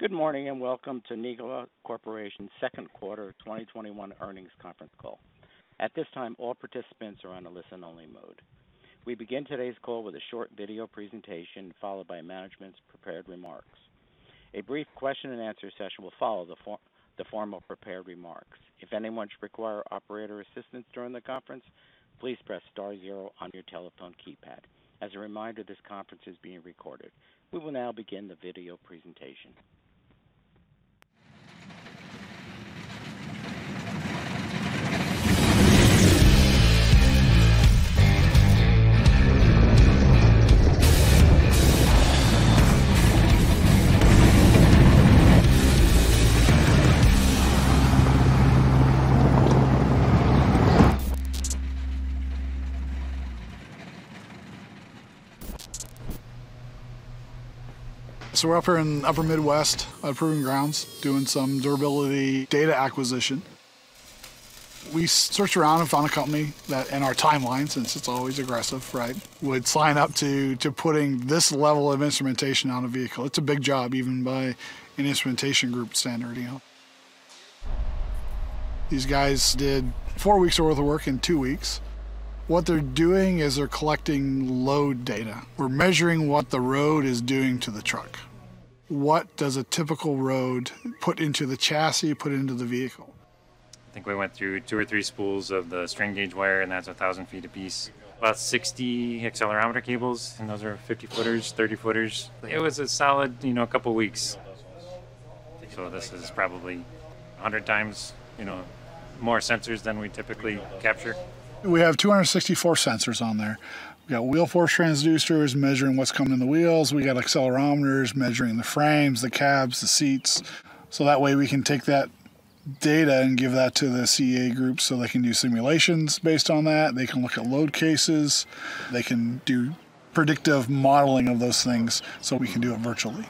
Good morning. Welcome to Nikola Corporation's second quarter 2021 earnings conference call. At this time, all participants are on a listen-only mode. We begin today's call with a short video presentation, followed by management's prepared remarks. A brief question and answer session will follow the formal prepared remarks. If anyone should require operator assistance during the conference, please press star zero on your telephone keypad. As a reminder, this conference is being recorded. We will now begin the video presentation. We're up here in the upper Midwest at Proving Grounds, doing some durability data acquisition. We searched around and found a company that, in our timeline, since it's always aggressive, would sign up to putting this level of instrumentation on a vehicle. It's a big job, even by an instrumentation group standard. These guys did four weeks' worth of work in two weeks. What they're doing is they're collecting load data. We're measuring what the road is doing to the truck. What does a typical road put into the chassis, put into the vehicle? I think we went through two or three spools of the strain gauge wire, and that's 1,000 feet a piece. About 60 accelerometer cables, and those are 50-footers, 30-footers. It was a solid couple of weeks. This is probably 100 times more sensors than we typically capture. We have 264 sensors on there. We got wheel force transducers measuring what's coming in the wheels. We got accelerometers measuring the frames, the cabs, the seats. That way, we can take that data and give that to the CAE group so they can do simulations based on that. They can look at load cases. They can do predictive modeling of those things, so we can do it virtually.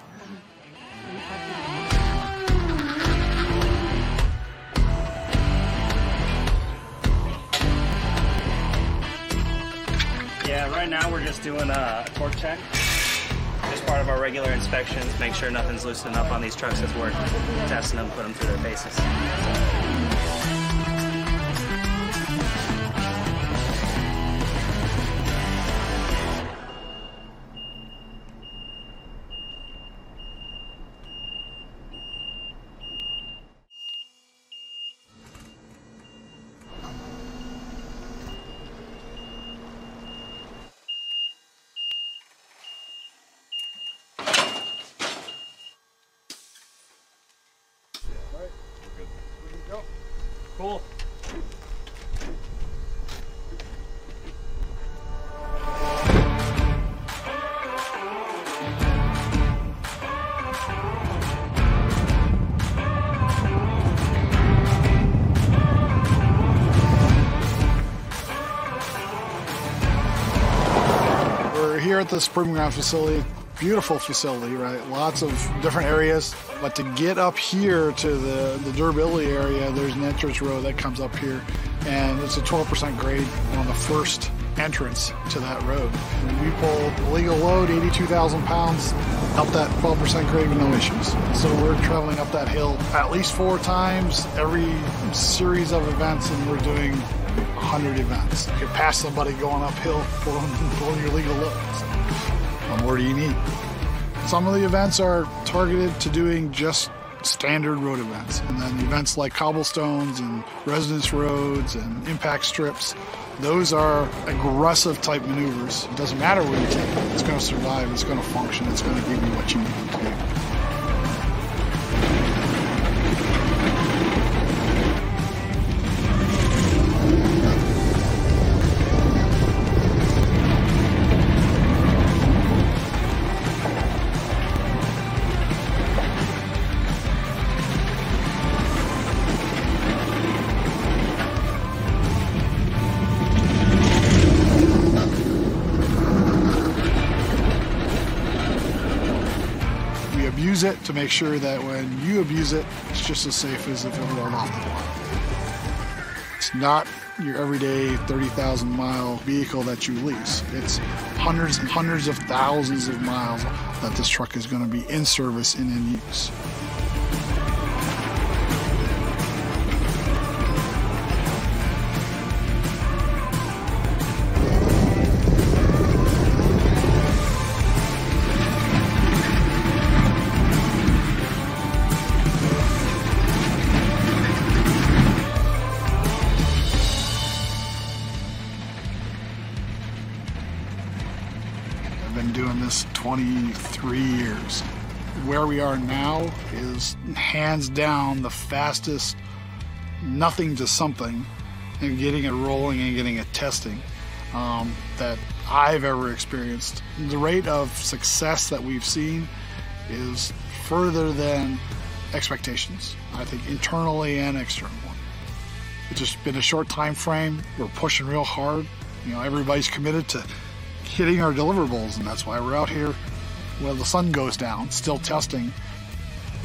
Right now we're just doing a torque check, just part of our regular inspections, make sure nothing's loosened up on these trucks as we're testing them, putting them through their paces. Yeah. All right. We're good. We're good to go. Cool. We're here at this Proving Ground facility, beautiful facility. Lots of different areas. To get up here to the durability area, there's an entrance road that comes up here, and it's a 12% grade on the first entrance to that road. We pull legal load, 82,000 pounds, up that 12% grade with no issues. We're traveling up that hill at least four times every series of events, and we're doing 100 events. If you pass somebody going uphill pulling your legal load, it's like, "How more do you need?" Some of the events are targeted to doing just standard road events. Events like cobblestones and residence roads and impact strips, those are aggressive-type maneuvers. It doesn't matter what you take, it's going to survive, it's going to function, it's going to give you what you need it to do. We abuse it to make sure that when you abuse it's just as safe as if it were normal. It's not your everyday 30,000 mi vehicle that you lease. It's hundreds and hundreds of thousands of miles that this truck is going to be in service and in use. I've been doing this 23 years. Where we are now is hands down the fastest nothing to something in getting it rolling and getting it testing that I've ever experienced. The rate of success that we've seen is further than expectations, I think internally and externally. It's just been a short timeframe. We're pushing real hard. Everybody's committed to hitting our deliverables, and that's why we're out here while the sun goes down, still testing.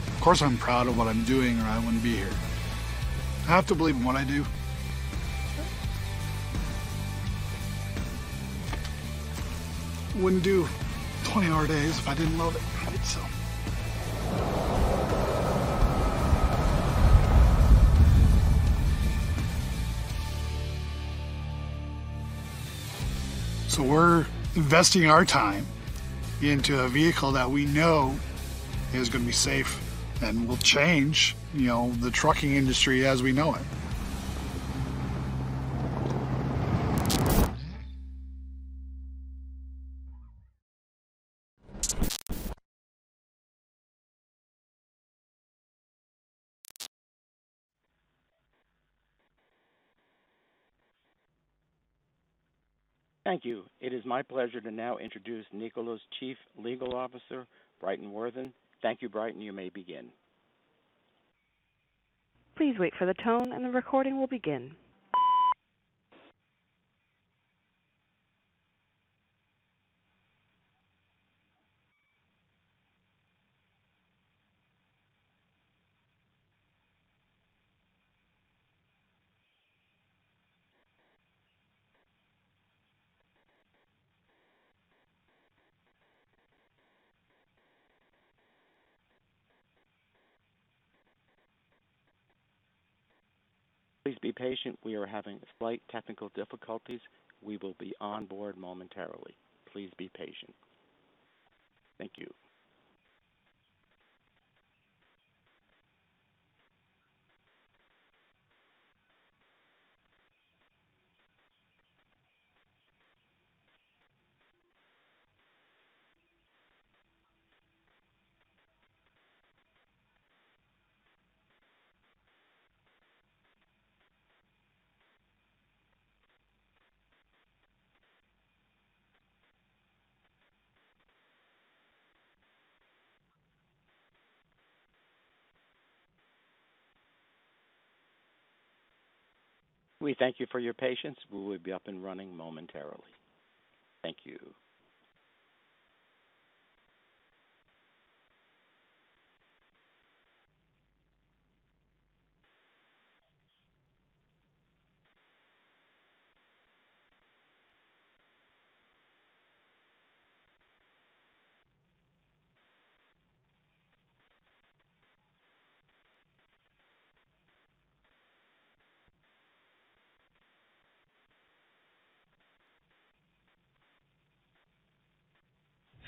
Of course, I'm proud of what I'm doing, or I wouldn't be here. I have to believe in what I do. Wouldn't do 20-hour days if I didn't love it, right? We're investing our time into a vehicle that we know is going to be safe and will change the trucking industry as we know it. Thank you. It is my pleasure to now introduce Nikola's Chief Legal Officer, Britton Worthen. Thank you, Britton. You may begin. Please wait for the tone, and the recording will begin. Please be patient. We are having slight technical difficulties. We will be on board momentarily. Please be patient. Thank you. We thank you for your patience. We will be up and running momentarily. Thank you.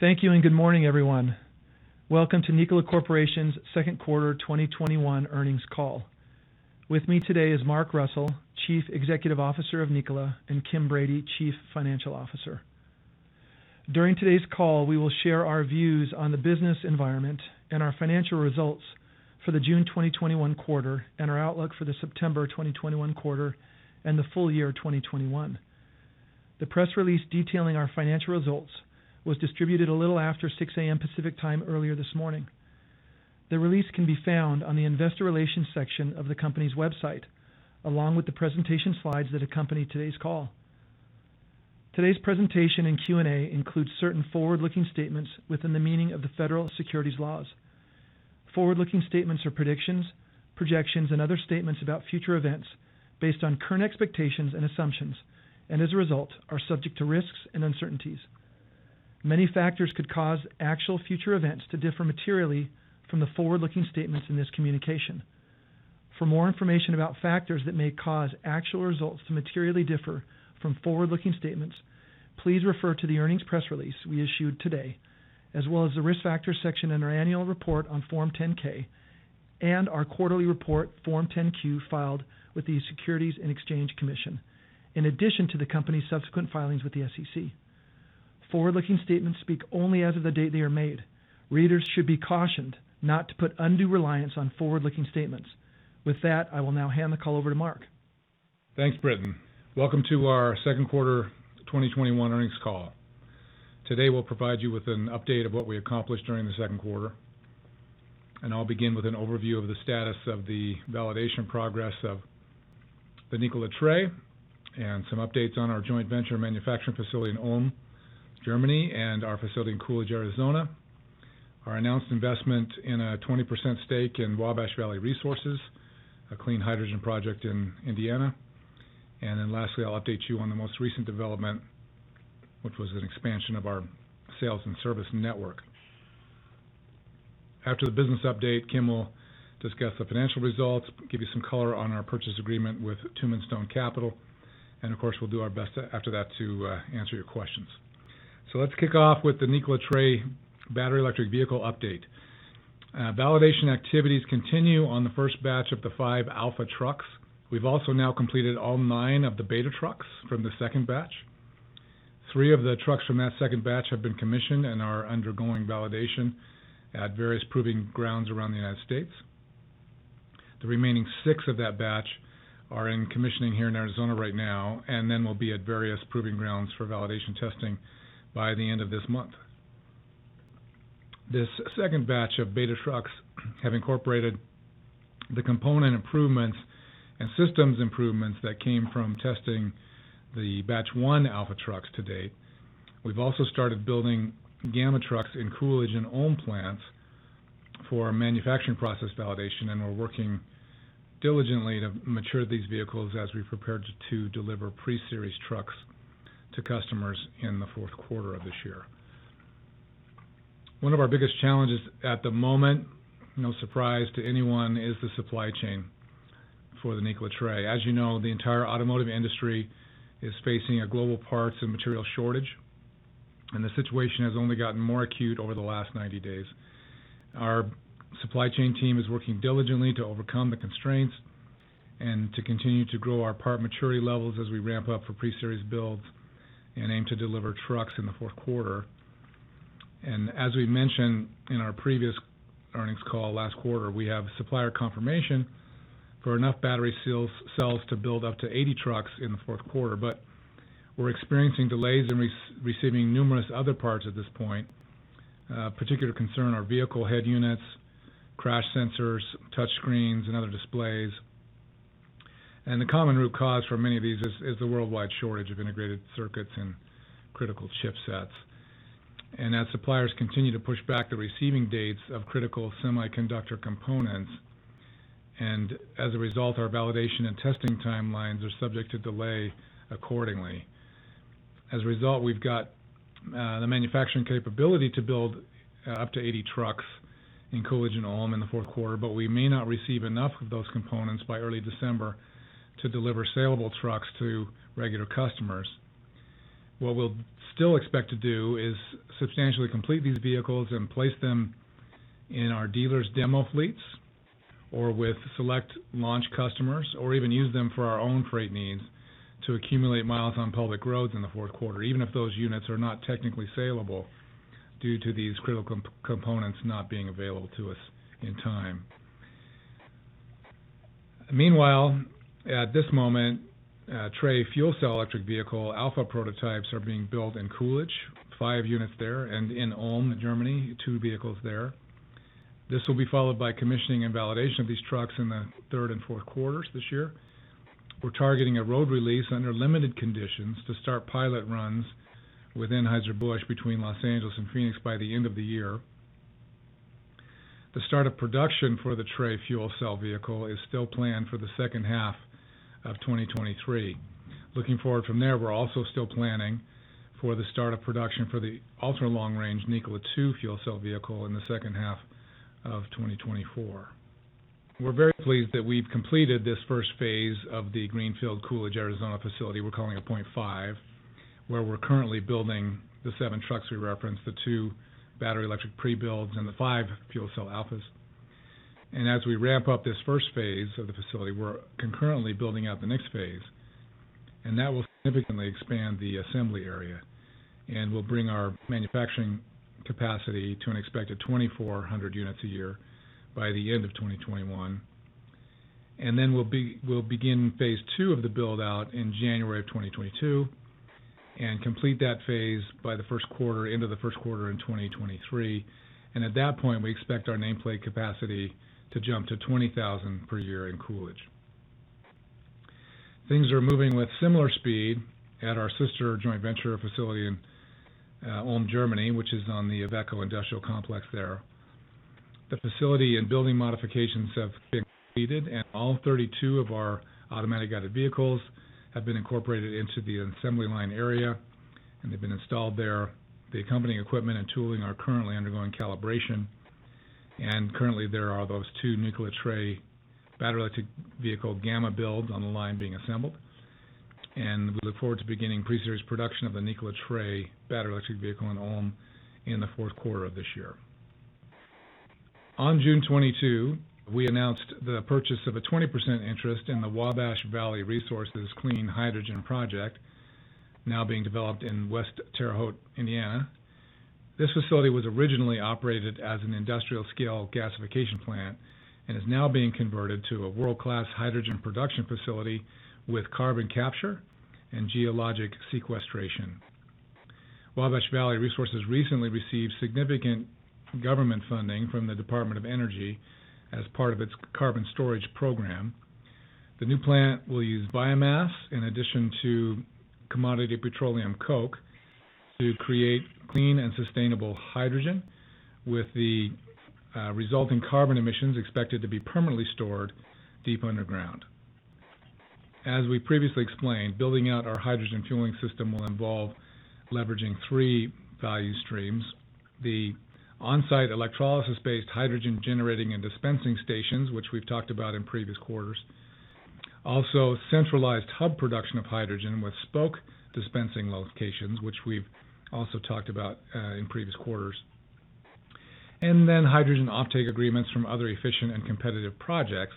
Thank you, good morning, everyone. Welcome to Nikola Corporation's second quarter 2021 earnings call. With me today is Mark Russell, Chief Executive Officer of Nikola, and Kim Brady, Chief Financial Officer. During today's call, we will share our views on the business environment and our financial results for the June 2021 quarter and our outlook for the September 2021 quarter and the full year 2021. The press release detailing our financial results was distributed a little after 6:00 A.M. Pacific Time earlier this morning. The release can be found on the investor relations section of the company's website, along with the presentation slides that accompany today's call. Today's presentation and Q&A includes certain forward-looking statements within the meaning of the federal securities laws. Forward-looking statements are predictions, projections, and other statements about future events based on current expectations and assumptions, and as a result, are subject to risks and uncertainties. Many factors could cause actual future events to differ materially from the forward-looking statements in this communication. For more information about factors that may cause actual results to materially differ from forward-looking statements, please refer to the earnings press release we issued today, as well as the Risk Factors section in our Annual Report on Form 10-K and our Quarterly Report Form 10-Q filed with the Securities and Exchange Commission, in addition to the company's subsequent filings with the SEC. Forward-looking statements speak only as of the date they are made. Readers should be cautioned not to put undue reliance on forward-looking statements. With that, I will now hand the call over to Mark. Thanks, Britton. Welcome to our second quarter 2021 earnings call. Today, we'll provide you with an update of what we accomplished during the second quarter, and I'll begin with an overview of the status of the validation progress of the Nikola Tre and some updates on our joint venture manufacturing facility in Ulm, Germany, and our facility in Coolidge, Arizona, our announced investment in a 20% stake in Wabash Valley Resources, a clean hydrogen project in Indiana, and then lastly, I'll update you on the most recent development, which was an expansion of our sales and service network. After the business update, Kim will discuss the financial results, give you some color on our purchase agreement with Tumim Stone Capital, and of course, we'll do our best after that to answer your questions. Let's kick off with the Nikola Tre battery electric vehicle update. Validation activities continue on the first batch of the five alpha trucks. We've also now completed all nine of the beta trucks from the second batch. Three of the trucks from that second batch have been commissioned and are undergoing validation at various proving grounds around the U.S. The remaining six of that batch are in commissioning here in Arizona right now, and then will be at various proving grounds for validation testing by the end of this month. This second batch of beta trucks have incorporated the component improvements and systems improvements that came from testing the batch one alpha trucks to date. We've also started building gamma trucks in Coolidge and Ulm plants for our manufacturing process validation, and we're working diligently to mature these vehicles as we prepare to deliver pre-series trucks to customers in the fourth quarter of this year. One of our biggest challenges at the moment, no surprise to anyone, is the supply chain for the Nikola Tre. As you know, the entire automotive industry is facing a global parts and materials shortage, and the situation has only gotten more acute over the last 90 days. Our supply chain team is working diligently to overcome the constraints and to continue to grow our part maturity levels as we ramp up for pre-series builds and aim to deliver trucks in the fourth quarter. As we mentioned in our previous earnings call last quarter, we have supplier confirmation for enough battery cells to build up to 80 trucks in the fourth quarter. We are experiencing delays in receiving numerous other parts at this point. Of particular concern are vehicle head units, crash sensors, touchscreens, and other displays. The common root cause for many of these is the worldwide shortage of integrated circuits and critical chipsets. As suppliers continue to push back the receiving dates of critical semiconductor components, and as a result, our validation and testing timelines are subject to delay accordingly. As a result, we've got the manufacturing capability to build up to 80 trucks in Coolidge and Ulm in the fourth quarter, but we may not receive enough of those components by early December to deliver sellable trucks to regular customers. What we'll still expect to do is substantially complete these vehicles and place them in our dealers' demo fleets or with select launch customers, or even use them for our own freight needs to accumulate miles on public roads in the fourth quarter, even if those units are not technically sellable due to these critical components not being available to us in time. Meanwhile, at this moment, Tre Fuel Cell Electric Vehicle alpha prototypes are being built in Coolidge, five units there, and in Ulm, Germany, two vehicles there. This will be followed by commissioning and validation of these trucks in the third and fourth quarters this year. We're targeting a road release under limited conditions to start pilot runs within Anheuser-Busch between Los Angeles and Phoenix by the end of the year. The start of production for the Tre fuel cell vehicle is still planned for the second half of 2023. Looking forward from there, we're also still planning for the start of production for the ultra-long-range Nikola Two fuel cell vehicle in the second half of 2024. We're very pleased that we've completed this first phase of the greenfield Coolidge, Arizona facility we're calling a point five, where we're currently building the seven trucks we referenced, the two battery-electric pre-builds and the five fuel cell alphas. As we ramp up this first phase of the facility, we're concurrently building out the next phase, and that will significantly expand the assembly area and will bring our manufacturing capacity to an expected 2,400 units a year by the end of 2021. We'll begin phase II of the build-out in January 2022 and complete that phase by the end of the first quarter 2023. At that point, we expect our nameplate capacity to jump to 20,000 per year in Coolidge. Things are moving with similar speed at our sister joint venture facility in Ulm, Germany, which is on the Iveco industrial complex there. The facility and building modifications have been completed, and all 32 of our automatic guided vehicles have been incorporated into the assembly line area and they've been installed there. The accompanying equipment and tooling are currently undergoing calibration, and currently, there are those two Nikola Tre battery electric vehicle gamma builds on the line being assembled. We look forward to beginning pre-series production of the Nikola Tre battery electric vehicle in Ulm in the fourth quarter of this year. On June 22, we announced the purchase of a 20% interest in the Wabash Valley Resources clean hydrogen project now being developed in West Terre Haute, Indiana. This facility was originally operated as an industrial-scale gasification plant and is now being converted to a world-class hydrogen production facility with carbon capture and geologic sequestration. Wabash Valley Resources recently received significant government funding from the Department of Energy as part of its carbon storage program. The new plant will use biomass in addition to commodity petroleum coke to create clean and sustainable hydrogen, with the resulting carbon emissions expected to be permanently stored deep underground. As we previously explained, building out our hydrogen fueling system will involve leveraging three value streams, the on-site electrolysis-based hydrogen generating and dispensing stations, which we've talked about in previous quarters. Centralized hub production of hydrogen with spoke dispensing locations, which we've also talked about in previous quarters. Hydrogen offtake agreements from other efficient and competitive projects.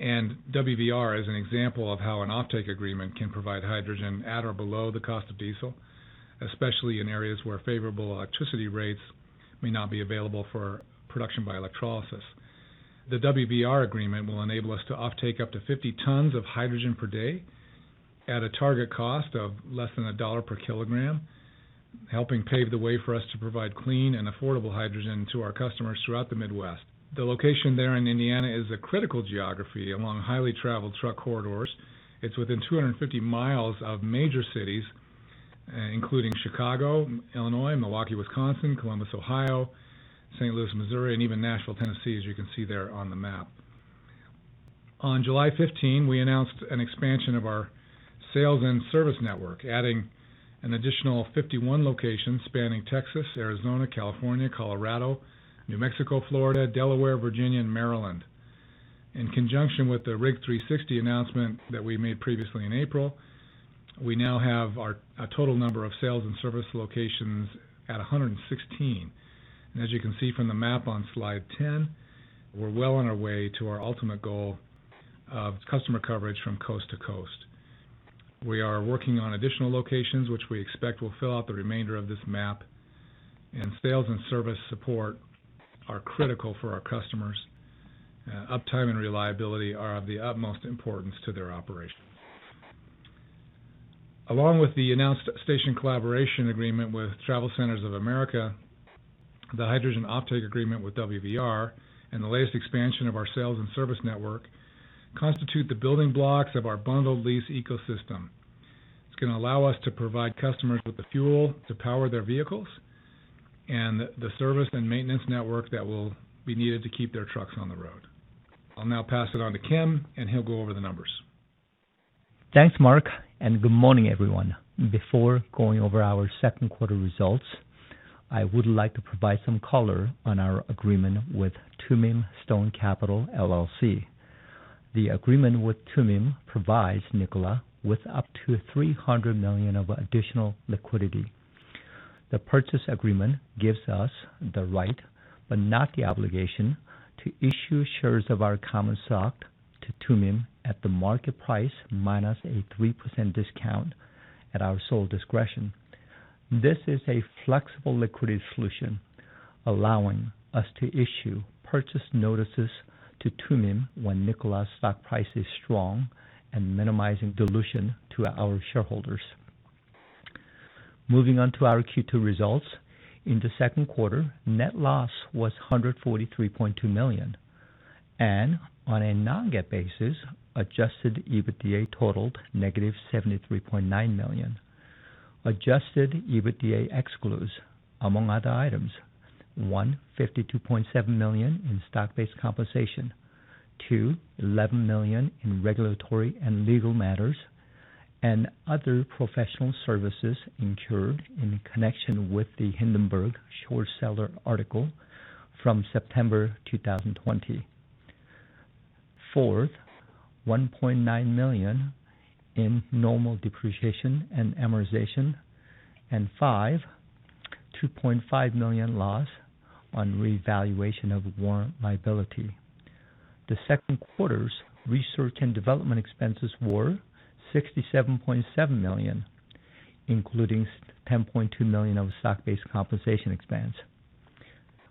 WVR is an example of how an offtake agreement can provide hydrogen at or below the cost of diesel, especially in areas where favorable electricity rates may not be available for production by electrolysis. The WVR agreement will enable us to offtake up to 50 tons of hydrogen per day at a target cost of less than $1 per kilogram, helping pave the way for us to provide clean and affordable hydrogen to our customers throughout the Midwest. The location there in Indiana is a critical geography along highly traveled truck corridors. It's within 250 mi of major cities, including Chicago, Illinois, Milwaukee, Wisconsin, Columbus, Ohio, St. Louis, Missouri, and even Nashville, Tennessee, as you can see there on the map. On July 15, we announced an expansion of our sales and service network, adding an additional 51 locations spanning Texas, Arizona, California, Colorado, New Mexico, Florida, Delaware, Virginia, and Maryland. In conjunction with the RIG360 announcement that we made previously in April, we now have our total number of sales and service locations at 116. As you can see from the map on slide 10, we're well on our way to our ultimate goal of customer coverage from coast to coast. We are working on additional locations, which we expect will fill out the remainder of this map, and sales and service support are critical for our customers. Uptime and reliability are of the utmost importance to their operations. Along with the announced station collaboration agreement with TravelCenters of America, the hydrogen offtake agreement with WVR, and the latest expansion of our sales and service network constitute the building blocks of our bundled lease ecosystem. It's going to allow us to provide customers with the fuel to power their vehicles and the service and maintenance network that will be needed to keep their trucks on the road. I'll now pass it on to Kim, and he'll go over the numbers. Thanks, Mark, and good morning, everyone. Before going over our second quarter results, I would like to provide some color on our agreement with Tumim Stone Capital LLC. The agreement with Tumim provides Nikola with up to $300 million of additional liquidity. The purchase agreement gives us the right, but not the obligation, to issue shares of our common stock to Tumim at the market price minus a 3% discount at our sole discretion. This is a flexible liquidity solution, allowing us to issue purchase notices to Tumim when Nikola's stock price is strong and minimizing dilution to our shareholders. Moving on to our Q2 results. In the second quarter, net loss was $143.2 million and on a non-GAAP basis, Adjusted EBITDA totaled -$73.9 million. Adjusted EBITDA excludes, among other items, one, $52.7 million in stock-based compensation. Two, $11 million in regulatory and legal matters and other professional services incurred in connection with the Hindenburg short seller article from September 2020. Four, $1.9 million in normal depreciation and amortization. Five, $2.5 million loss on revaluation of warrant liability. The second quarter's research and development expenses were $67.7 million, including $10.2 million of stock-based compensation expense.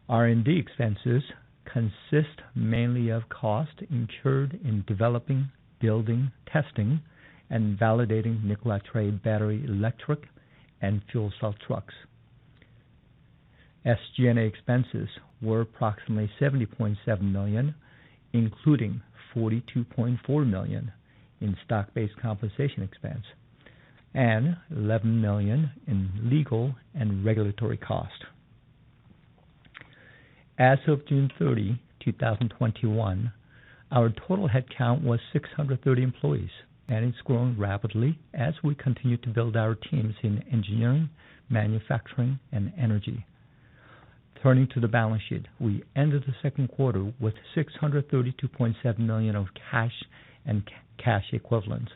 R&D expenses consist mainly of costs incurred in developing, building, testing, and validating Nikola Tre battery-electric and fuel cell trucks. SG&A expenses were approximately $70.7 million, including $42.4 million in stock-based compensation expense and $11 million in legal and regulatory costs. As of June 30, 2021, our total headcount was 630 employees, and it's growing rapidly as we continue to build our teams in engineering, manufacturing, and energy. Turning to the balance sheet, we ended the second quarter with $632.7 million of cash and cash equivalents.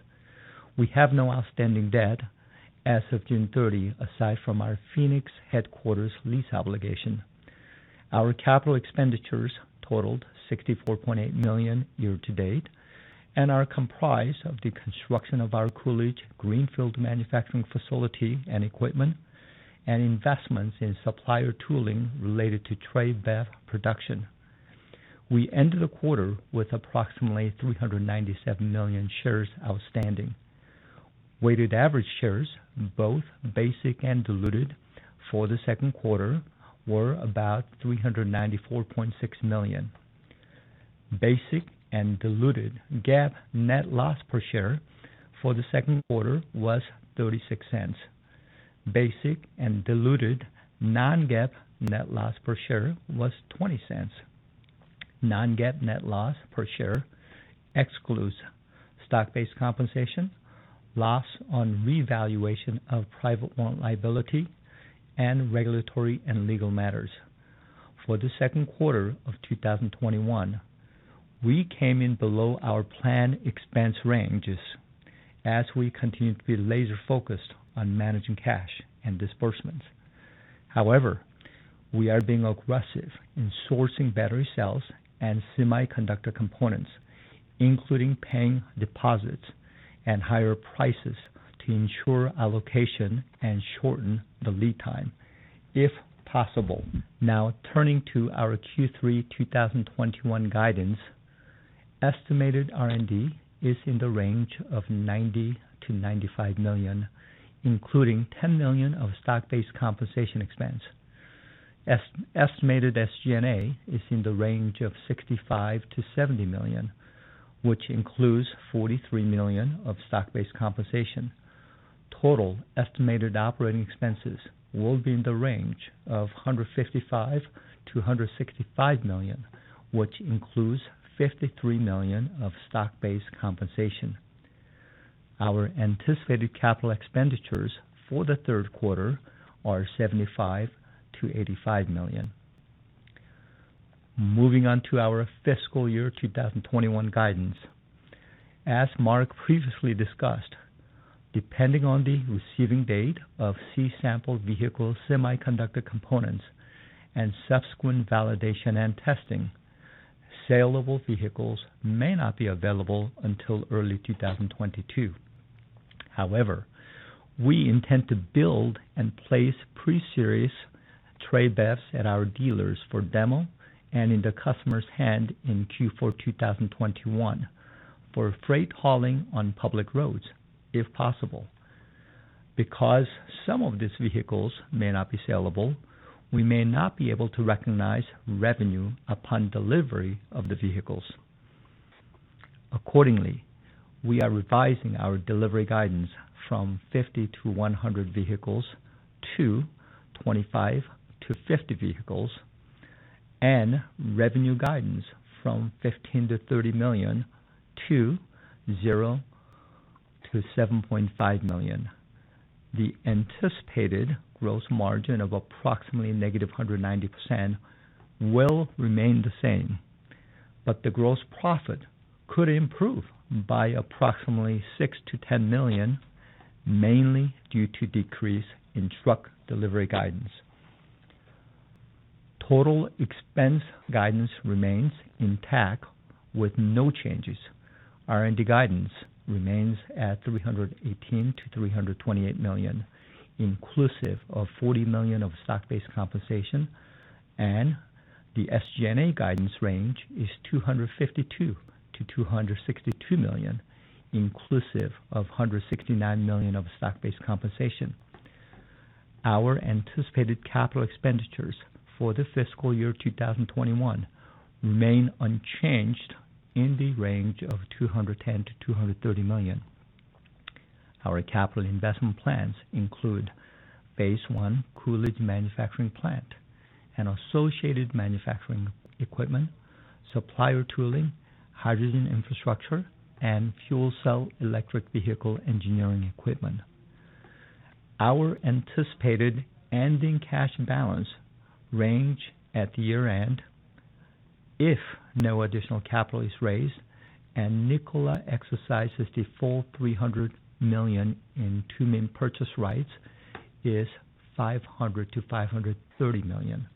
We have no outstanding debt as of June 30, aside from our Phoenix headquarters lease obligation. Our capital expenditures totaled $64.8 million year-to-date and are comprised of the construction of our Coolidge Greenfield manufacturing facility and equipment and investments in supplier tooling related to Tre BEV production. We ended the quarter with approximately 397 million shares outstanding. Weighted average shares, both basic and diluted for the second quarter, were about 394.6 million. Basic and diluted GAAP net loss per share for the second quarter was $0.36. Basic and diluted non-GAAP net loss per share was $0.20. Non-GAAP net loss per share excludes stock-based compensation, loss on revaluation of private warrant liability, and regulatory and legal matters. For the second quarter of 2021, we came in below our planned expense ranges as we continue to be laser-focused on managing cash and disbursements. We are being aggressive in sourcing battery cells and semiconductor components, including paying deposits and higher prices to ensure allocation and shorten the lead time if possible. Turning to our Q3 2021 guidance. Estimated R&D is in the range of $90 million-$95 million, including $10 million of stock-based compensation expense. Estimated SG&A is in the range of $65 million-$70 million, which includes $43 million of stock-based compensation. Total estimated operating expenses will be in the range of $155 million-$165 million, which includes $53 million of stock-based compensation. Our anticipated capital expenditures for the third quarter are $75 million-$85 million. Moving on to our fiscal year 2021 guidance. As Mark previously discussed, depending on the receiving date of C-sample vehicle semiconductor components and subsequent validation and testing, saleable vehicles may not be available until early 2022. However, we intend to build and place pre-series Tre BEVs at our dealers for demo and in the customer's hand in Q4 2021 for freight hauling on public roads, if possible. Because some of these vehicles may not be saleable, we may not be able to recognize revenue upon delivery of the vehicles. Accordingly, we are revising our delivery guidance from 50-100 vehicles to 25-50 vehicles, and revenue guidance from $15 million-$30 million to $0-$7.5 million. The anticipated gross margin of approximately -190% will remain the same, but the gross profit could improve by approximately $6 million-$10 million, mainly due to decrease in truck delivery guidance. Total expense guidance remains intact with no changes. R&D guidance remains at $318 million-$328 million, inclusive of $40 million of stock-based compensation. The SG&A guidance range is $252 million-$262 million, inclusive of $169 million of stock-based compensation. Our anticipated capital expenditures for the fiscal year 2021 remain unchanged in the range of $210 million-$230 million. Our capital investment plans include phase I Coolidge manufacturing plant and associated manufacturing equipment, supplier tooling, hydrogen infrastructure, and fuel cell electric vehicle engineering equipment. Our anticipated ending cash balance range at year-end, if no additional capital is raised and Nikola exercises the full $300 million in Tumim purchase rights, is $500 million-$530 million.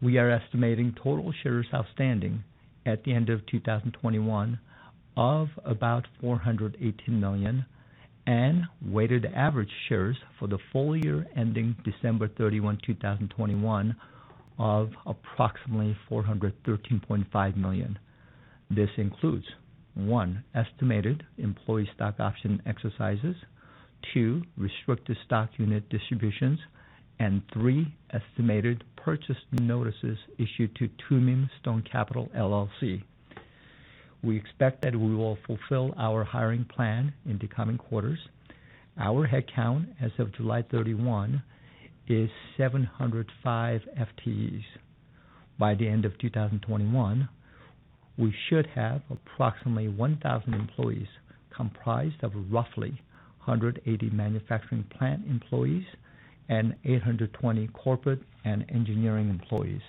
We are estimating total shares outstanding at the end of 2021 of about 418 million, and weighted average shares for the full year ending December 31, 2021 of approximately 413.5 million. This includes, one, estimated employee stock option exercises, two, restricted stock unit distributions, and three, estimated purchase notices issued to Tumim Stone Capital LLC. We expect that we will fulfill our hiring plan in the coming quarters. Our headcount as of July 31 is 705 FTEs. By the end of 2021, we should have approximately 1,000 employees comprised of roughly 180 manufacturing plant employees and 820 corporate and engineering employees.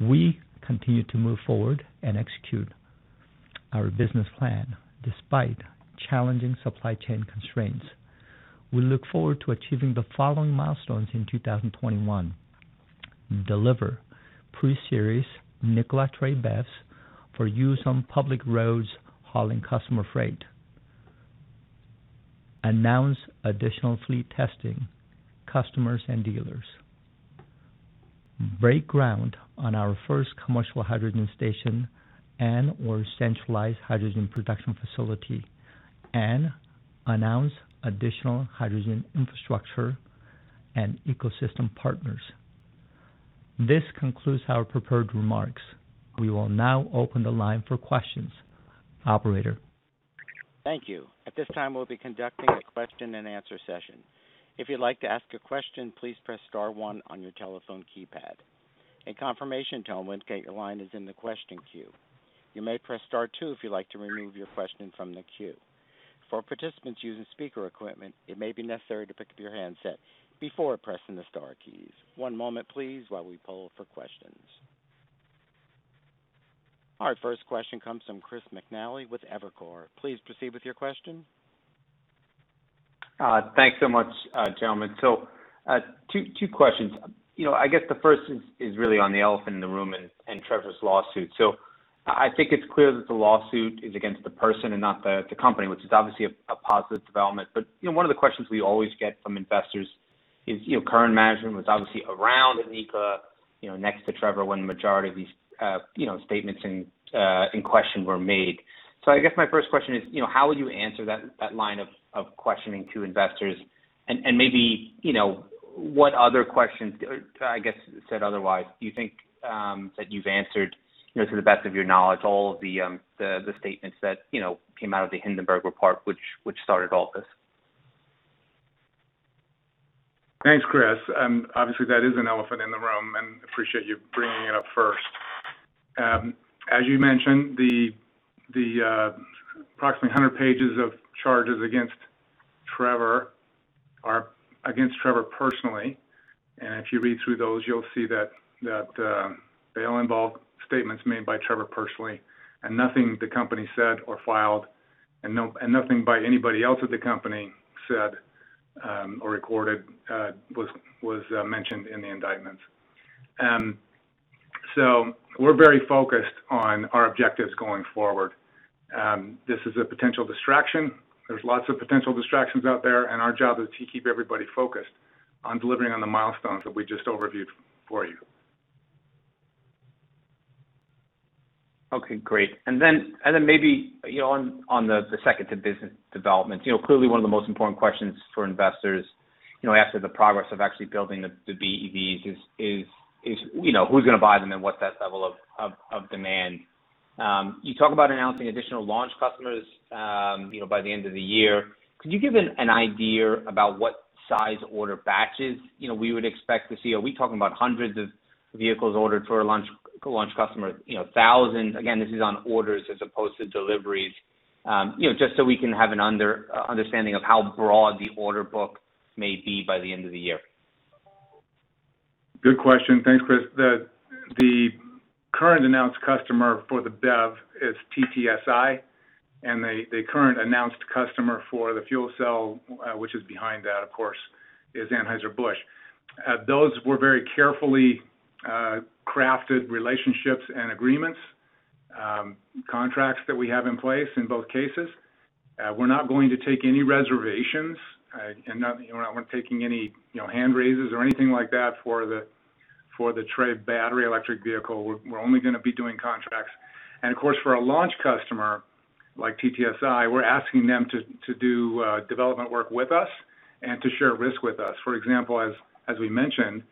We continue to move forward and execute our business plan despite challenging supply chain constraints. We look forward to achieving the following milestones in 2021. Deliver pre-series Nikola Tre BEVs for use on public roads hauling customer freight. Announce additional fleet testing, customers, and dealers. Break ground on our first commercial hydrogen station and/or centralized hydrogen production facility and announce additional hydrogen infrastructure and ecosystem partners. This concludes our prepared remarks. We will now open the line for questions. Operator? Thank you. At this time, we'll be conducting a question-and-answer session. If you'd like to ask a question, please press star one on your telephone keypad. A confirmation tone will indicate your line is in the question queue. You may press star two if you'd like to remove your question from the queue. For participants using speaker equipment, it may be necessary to pick up your handset before pressing the star keys. One moment please while we poll for questions. Our first question comes from Chris McNally with Evercore. Please proceed with your question. Thanks so much, gentlemen. Two questions. I guess the first is really on the elephant in the room and Trevor's lawsuit. I think it's clear that the lawsuit is against the person and not the company, which is obviously a positive development. One of the questions we always get from investors is current management was obviously around Nikola to Trevor when the majority of these statements in question were made. I guess my first question is how would you answer that line of questioning to investors and maybe what other questions, I guess said otherwise, do you think that you've answered to the best of your knowledge all of the statements that came out of the Hindenburg report which started all this? Thanks, Chris. Obviously, that is an elephant in the room and appreciate you bringing it up first. As you mentioned, the approximately 100 pages of charges against Trevor personally, and if you read through those, you'll see that they all involve statements made by Trevor personally, and nothing the company said or filed, and nothing by anybody else at the company said or recorded was mentioned in the indictments. We're very focused on our objectives going forward. This is a potential distraction. There's lots of potential distractions out there, and our job is to keep everybody focused on delivering on the milestones that we just overviewed for you. Okay, great. Maybe on the second to business development, clearly one of the most important questions for investors after the progress of actually building the BEVs is who's going to buy them and what's that level of demand? You talk about announcing additional launch customers by the end of the year. Could you give an idea about what size order batches we would expect to see? Are we talking about hundreds of vehicles ordered for launch customers, thousands? Again, this is on orders as opposed to deliveries, just so we can have an understanding of how broad the order book may be by the end of the year. Good question. Thanks, Chris. The current announced customer for the BEV is TTSI, and the current announced customer for the fuel cell, which is behind that, of course, is Anheuser-Busch. Those were very carefully crafted relationships and agreements, contracts that we have in place in both cases. We're not going to take any reservations. We're not taking any hand raises or anything like that for the Tre battery electric vehicle. We're only going to be doing contracts. Of course, for a launch customer like TTSI, we're asking them to do development work with us and to share risk with us. For example, as we mentioned,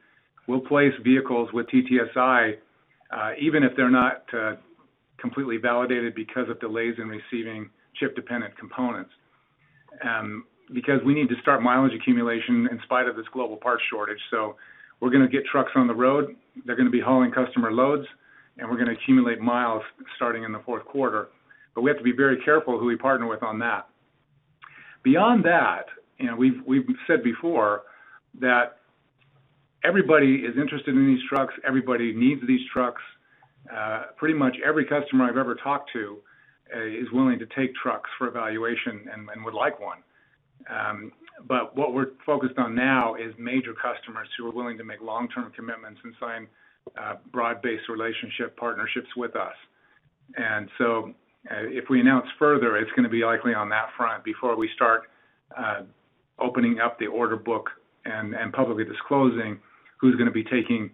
we'll place vehicles with TTSI even if they're not completely validated because of delays in receiving chip-dependent components because we need to start mileage accumulation in spite of this global parts shortage. We're going to get trucks on the road, they're going to be hauling customer loads, and we're going to accumulate miles starting in the fourth quarter. We have to be very careful who we partner with on that. Beyond that, we've said before that everybody is interested in these trucks. Everybody needs these trucks. Pretty much every customer I've ever talked to is willing to take trucks for evaluation and would like one. What we're focused on now is major customers who are willing to make long-term commitments and sign broad-based relationship partnerships with us. If we announce further, it's going to be likely on that front before we start opening up the order book and publicly disclosing who's going to be taking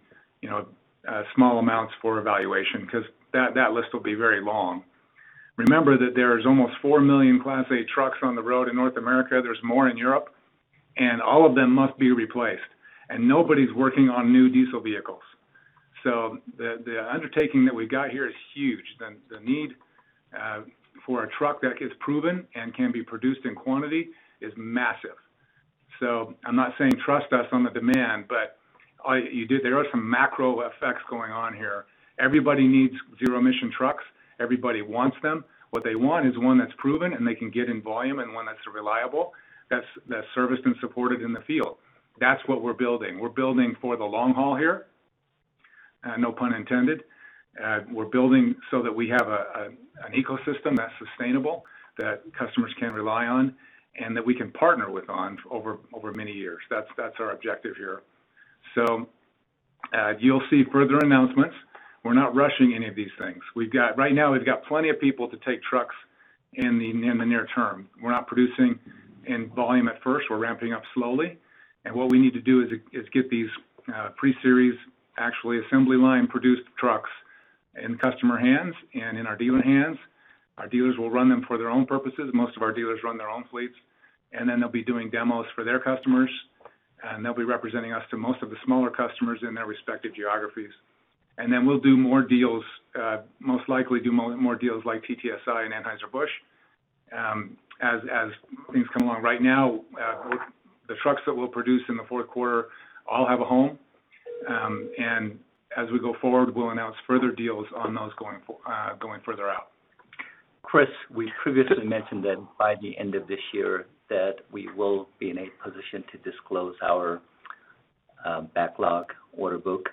small amounts for evaluation because that list will be very long. Remember that there is almost four million Class 8 trucks on the road in North America. There's more in Europe, all of them must be replaced. Nobody's working on new diesel vehicles. The undertaking that we got here is huge. The need for a truck that gets proven and can be produced in quantity is massive. I'm not saying trust us on the demand, there are some macro effects going on here. Everybody needs zero emission trucks. Everybody wants them. What they want is one that's proven and they can get in volume and one that's reliable, that's serviced and supported in the field. That's what we're building. We're building for the long haul here, no pun intended. We're building so that we have an ecosystem that's sustainable, that customers can rely on, and that we can partner with on over many years. That's our objective here. You'll see further announcements. We're not rushing any of these things. Right now, we've got plenty of people to take trucks in the near term. We're not producing in volume at first. We're ramping up slowly. What we need to do is get these pre-series, actually assembly line produced trucks in customer hands and in our dealer hands. Our dealers will run them for their own purposes. Most of our dealers run their own fleets, and then they'll be doing demos for their customers, and they'll be representing us to most of the smaller customers in their respective geographies. Then we'll do more deals, most likely do more deals like TTSI and Anheuser-Busch as things come along. Right now, the trucks that we'll produce in the fourth quarter all have a home. As we go forward, we'll announce further deals on those going further out. Chris, we previously mentioned that by the end of this year that we will be in a position to disclose our backlog order book.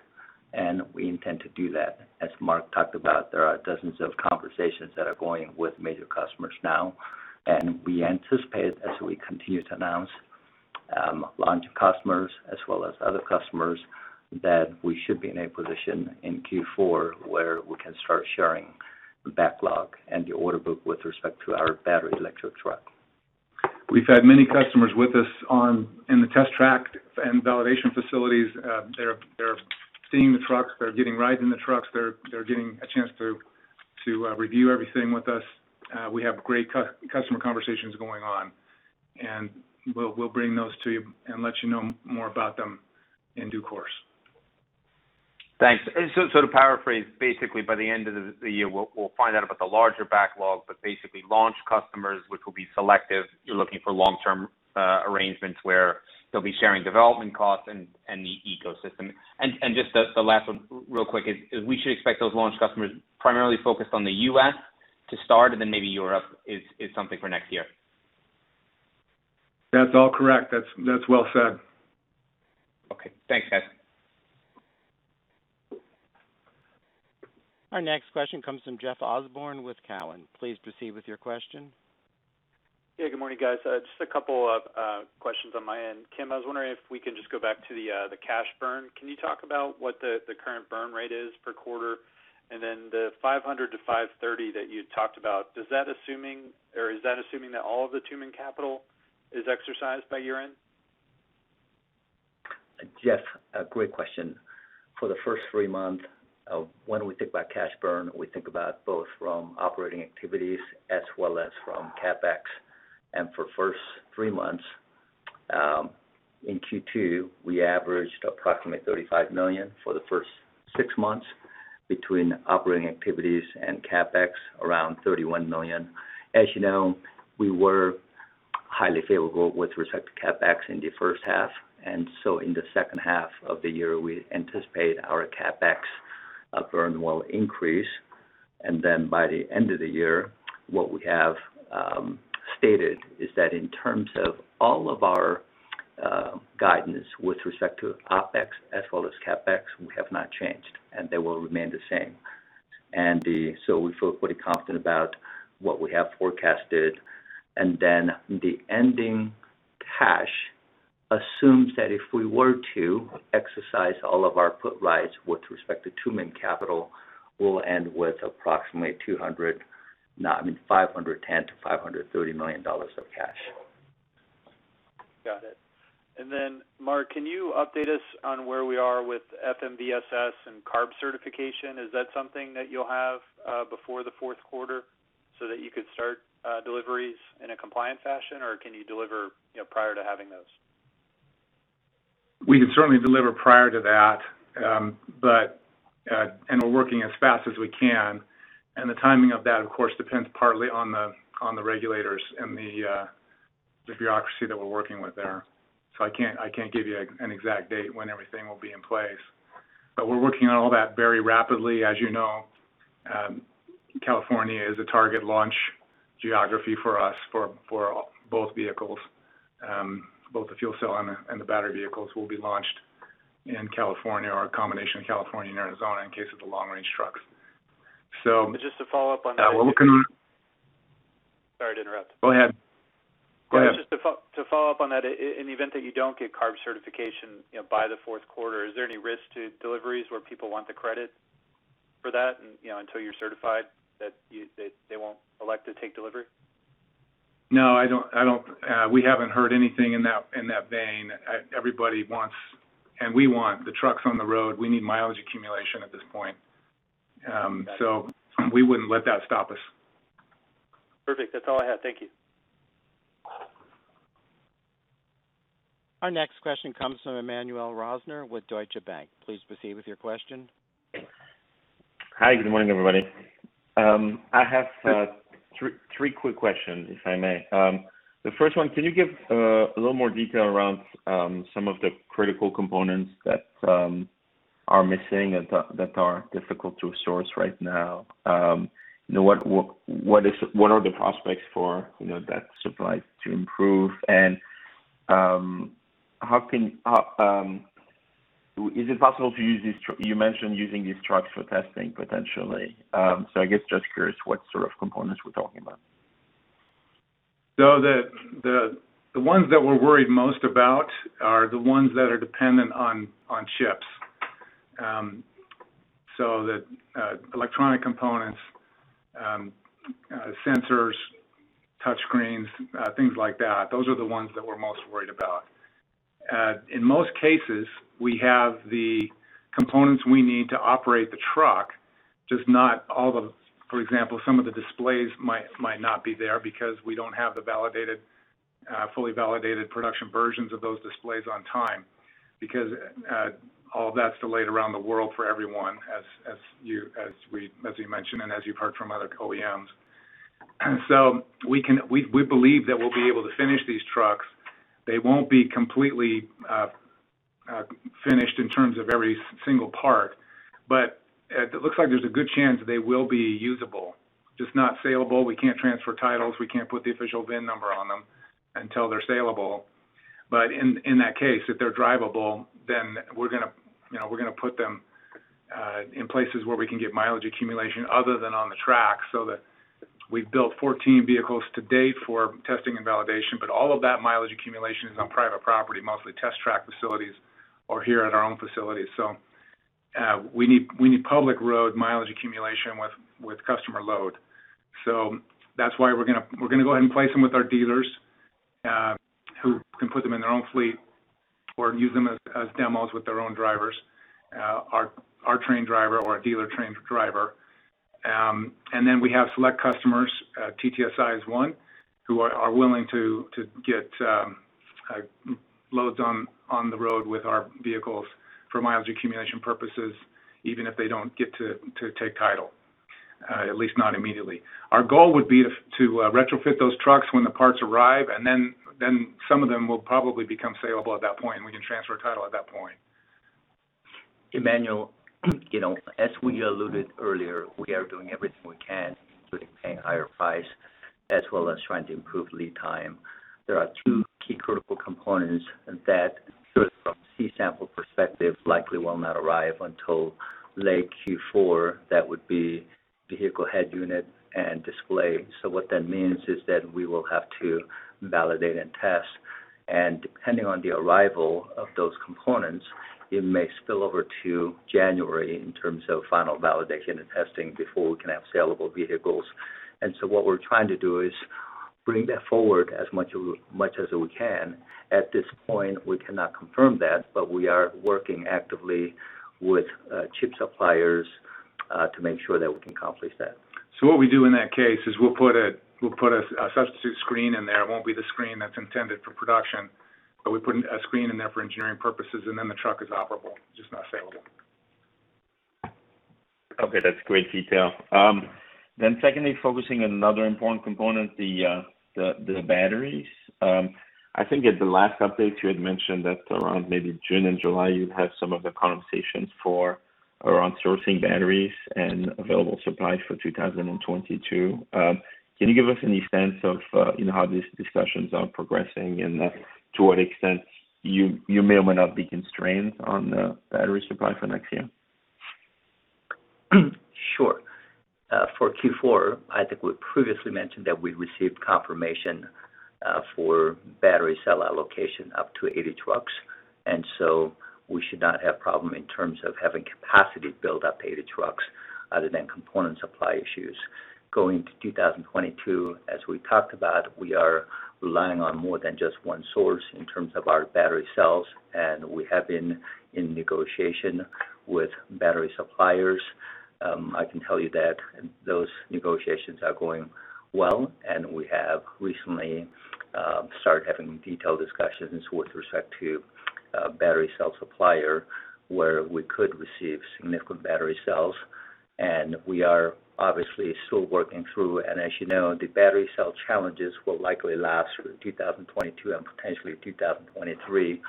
We intend to do that. As Mark talked about, there are dozens of conversations that are going with major customers now. We anticipate as we continue to announce launch customers as well as other customers, that we should be in a position in Q4 where we can start sharing the backlog and the order book with respect to our battery electric truck. We've had many customers with us in the test track and validation facilities. They're seeing the trucks. They're getting rides in the trucks. They're getting a chance to review everything with us. We have great customer conversations going on, we'll bring those to you and let you know more about them in due course. Thanks. To paraphrase, basically, by the end of the year, we'll find out about the larger backlog, but basically launch customers, which will be selective. You're looking for long-term arrangements where they'll be sharing development costs and the ecosystem. Just the last one real quick is, we should expect those launch customers primarily focused on the U.S. to start and then maybe Europe is something for next year? That's all correct. That's well said. Okay, thanks guys. Our next question comes from Jeff Osborne with Cowen. Please proceed with your question. Yeah, good morning, guys. Just a couple of questions on my end. Kim, I was wondering if we can just go back to the cash burn. Can you talk about what the current burn rate is per quarter? The $500 million-$530 million that you talked about, is that assuming that all of the Tumim capital is exercised by year-end? Jeff, great question. For the first three months, when we think about cash burn, we think about both from operating activities as well as from CapEx. For first three months, in Q2, we averaged approximately $35 million. For the first six months between operating activities and CapEx, around $31 million. As you know, we were highly favorable with respect to CapEx in the first half, in the second half of the year, we anticipate our CapEx burn will increase. By the end of the year, what we have stated is that in terms of all of our guidance with respect to OpEx as well as CapEx, we have not changed, they will remain the same. We feel pretty confident about what we have forecasted. The ending cash assumes that if we were to exercise all of our put rights with respect to Tumim Stone Capital, we'll end with approximately $510 million-$530 million of cash. Got it. Mark, can you update us on where we are with FMVSS and CARB certification? Is that something that you'll have before the fourth quarter so that you could start deliveries in a compliant fashion, or can you deliver prior to having those? We can certainly deliver prior to that. We're working as fast as we can, and the timing of that, of course, depends partly on the regulators and the bureaucracy that we're working with there. I can't give you an exact date when everything will be in place, but we're working on all that very rapidly. As you know, California is a target launch geography for us for both vehicles. Both the fuel cell and the battery vehicles will be launched in California or a combination of California and Arizona in case of the long-range trucks. Just to follow-up on that. We're looking- Sorry to interrupt. Go ahead. Just to follow up on that, in the event that you don't get CARB certification by the fourth quarter, is there any risk to deliveries where people want the credit for that until you're certified, that they won't elect to take delivery? No, we haven't heard anything in that vein. Everybody wants, and we want, the trucks on the road. We need mileage accumulation at this point. Got it. We wouldn't let that stop us. Perfect. That's all I had. Thank you. Our next question comes from Emmanuel Rosner with Deutsche Bank. Please proceed with your question. Hi, good morning, everybody. I have three quick questions, if I may. The first one, can you give a little more detail around some of the critical components that are missing and that are difficult to source right now? What are the prospects for that supply to improve? Is it possible to use these, you mentioned using these trucks for testing, potentially. I guess just curious what sort of components we're talking about. The ones that we're worried most about are the ones that are dependent on chips. The electronic components, sensors, touchscreens, things like that, those are the ones that we're most worried about. In most cases, we have the components we need to operate the truck, just not all the, for example, some of the displays might not be there because we don't have the fully validated production versions of those displays on time because all of that's delayed around the world for everyone, as you mentioned and as you've heard from other OEMs. We believe that we'll be able to finish these trucks. They won't be completely finished in terms of every single part, but it looks like there's a good chance they will be usable, just not saleable. We can't transfer titles. We can't put the official VIN number on them until they're saleable. In that case, if they're drivable, then we're going to put them in places where we can get mileage accumulation other than on the track so that we've built 14 vehicles to date for testing and validation, but all of that mileage accumulation is on private property, mostly test track facilities or here at our own facilities. We need public road mileage accumulation with customer load. That's why we're going to go ahead and place them with our dealers who can put them in their own fleet or use them as demos with their own drivers, our trained driver or a dealer-trained driver. We have select customers, TTSI is one, who are willing to get loads on the road with our vehicles for mileage accumulation purposes, even if they don't get to take title, at least not immediately. Our goal would be to retrofit those trucks when the parts arrive, and then some of them will probably become saleable at that point, and we can transfer title at that point. Emmanuel, as we alluded earlier, we are doing everything we can, including paying higher price, as well as trying to improve lead time. There are two key critical components that, from C-sample perspective, likely will not arrive until late Q4. That would be vehicle head unit and display. What that means is that we will have to validate and test, and depending on the arrival of those components, it may spill over to January in terms of final validation and testing before we can have saleable vehicles. What we're trying to do is bring that forward as much as we can. At this point, we cannot confirm that, but we are working actively with chip suppliers to make sure that we can accomplish that. What we do in that case is we'll put a substitute screen in there. It won't be the screen that's intended for production, but we put in a screen in there for engineering purposes, and then the truck is operable, just not saleable. Okay, that's great detail. Secondly, focusing on another important component, the batteries. I think at the last update you had mentioned that around maybe June and July you'd have some of the conversations for around sourcing batteries and available supply for 2022. Can you give us any sense of how these discussions are progressing and to what extent you may or may not be constrained on battery supply for next year? Sure. For Q4, I think we previously mentioned that we received confirmation for battery cell allocation up to 80 trucks, we should not have problem in terms of having capacity to build up 80 trucks other than component supply issues. Going to 2022, as we talked about, we are relying on more than just one source in terms of our battery cells, we have been in negotiation with battery suppliers. I can tell you that those negotiations are going well, we have recently started having detailed discussions with respect to a battery cell supplier where we could receive significant battery cells, we are obviously still working through. As you know, the battery cell challenges will likely last through 2022 and potentially 2023.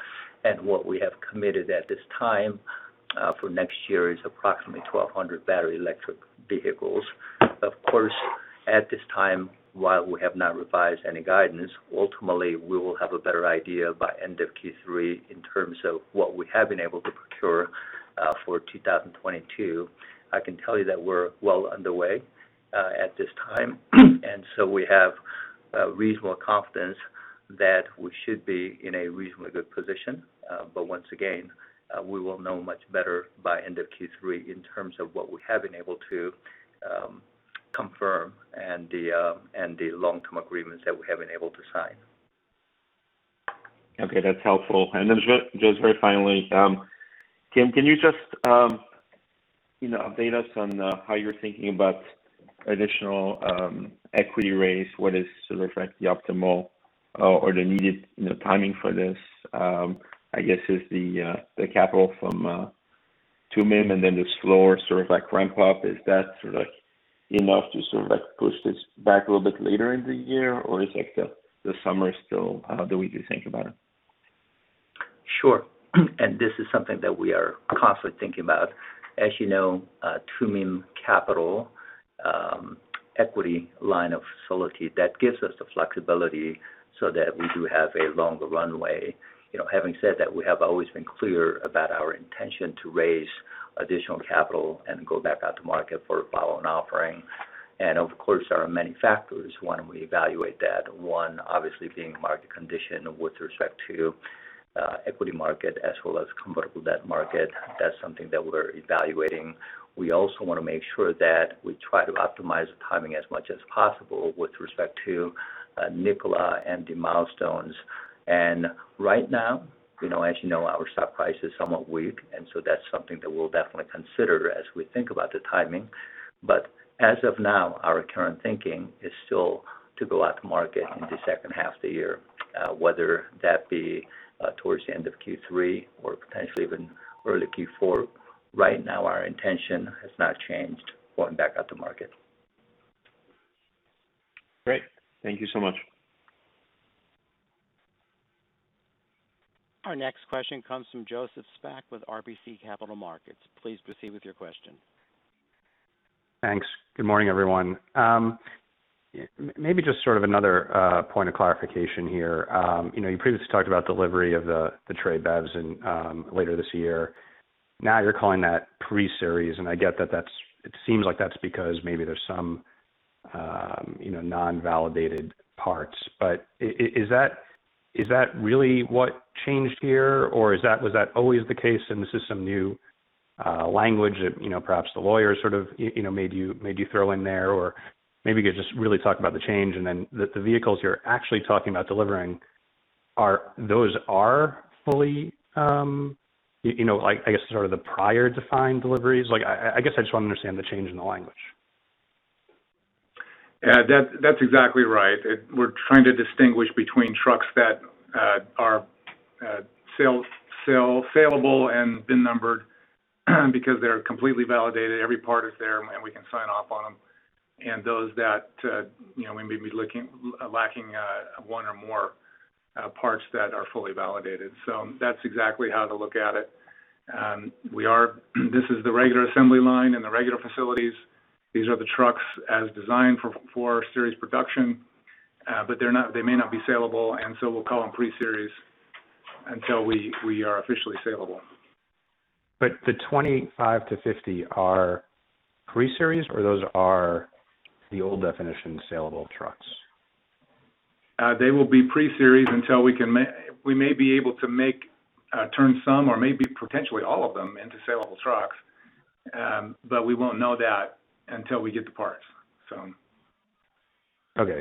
What we have committed at this time for next year is approximately 1,200 battery electric vehicles. Of course, at this time, while we have not revised any guidance, ultimately we will have a better idea by end of Q3 in terms of what we have been able to procure for 2022. I can tell you that we're well underway at this time, and so we have reasonable confidence that we should be in a reasonably good position. Once again, we will know much better by end of Q3 in terms of what we have been able to confirm and the long-term agreements that we have been able to sign. Okay, that's helpful. Then just very finally, can you just update us on how you're thinking about additional equity raise? What is sort of like the optimal or the needed timing for this? I guess, is the capital from Tumim and then the slower sort of like ramp up, is that sort of like enough to sort of like push this back a little bit later in the year? Is like the summer still how the way to think about it? Sure. This is something that we are constantly thinking about. As you know, Tumim Stone Capital equity line of facility, that gives us the flexibility so that we do have a longer runway. Having said that, we have always been clear about our intention to raise additional capital and go back out to market for a follow-on offering. Of course, there are many factors when we evaluate that. One obviously being market condition with respect to equity market as well as convertible debt market. That's something that we're evaluating. We also want to make sure that we try to optimize the timing as much as possible with respect to Nikola and the milestones. Right now, as you know, our stock price is somewhat weak, so that's something that we'll definitely consider as we think about the timing. As of now, our current thinking is still to go out to market in the second half of the year, whether that be towards the end of Q3 or potentially even early Q4. Right now, our intention has not changed going back out to market. Great. Thank you so much. Our next question comes from Joseph Spak with RBC Capital Markets. Please proceed with your question. Thanks. Good morning, everyone. Maybe just sort of another point of clarification here. You previously talked about delivery of the Tre BEVs later this year. Now you're calling that pre-series, I get that it seems like that's because maybe there's some non-validated parts. Is that really what changed here, or was that always the case and this is some new language that perhaps the lawyers made you throw in there? Maybe you could just really talk about the change that the vehicles you're actually talking about delivering, those are fully, I guess, sort of the prior defined deliveries. I guess I just want to understand the change in the language. Yeah. That's exactly right. We're trying to distinguish between trucks that are saleable and VIN numbered because they're completely validated. Every part is there, and we can sign off on them, and those that may be lacking one or more parts that are fully validated. That's exactly how to look at it. This is the regular assembly line and the regular facilities. These are the trucks as designed for series production. They may not be saleable, we'll call them pre-series until we are officially saleable. The 25-50 are pre-series, or those are the old definition saleable trucks? They will be pre-series until we may be able to turn some or maybe potentially all of them into saleable trucks. We won't know that until we get the parts. Okay.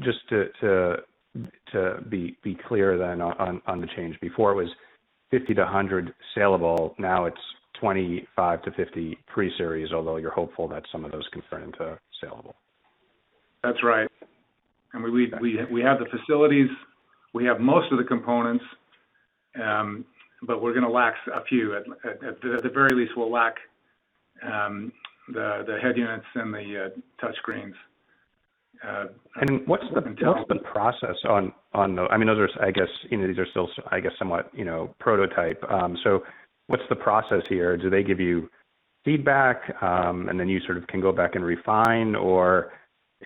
Just to be clear then on the change. Before it was 50-100 saleable, now it's 25-50 pre-series, although you're hopeful that some of those can turn into saleable. That's right. We have the facilities. We have most of the components. We're going to lack a few. At the very least, we'll lack the head units and the touchscreens. What's the process on those? These are still, I guess, somewhat prototype. What's the process here? Do they give you feedback, and then you can go back and refine? Or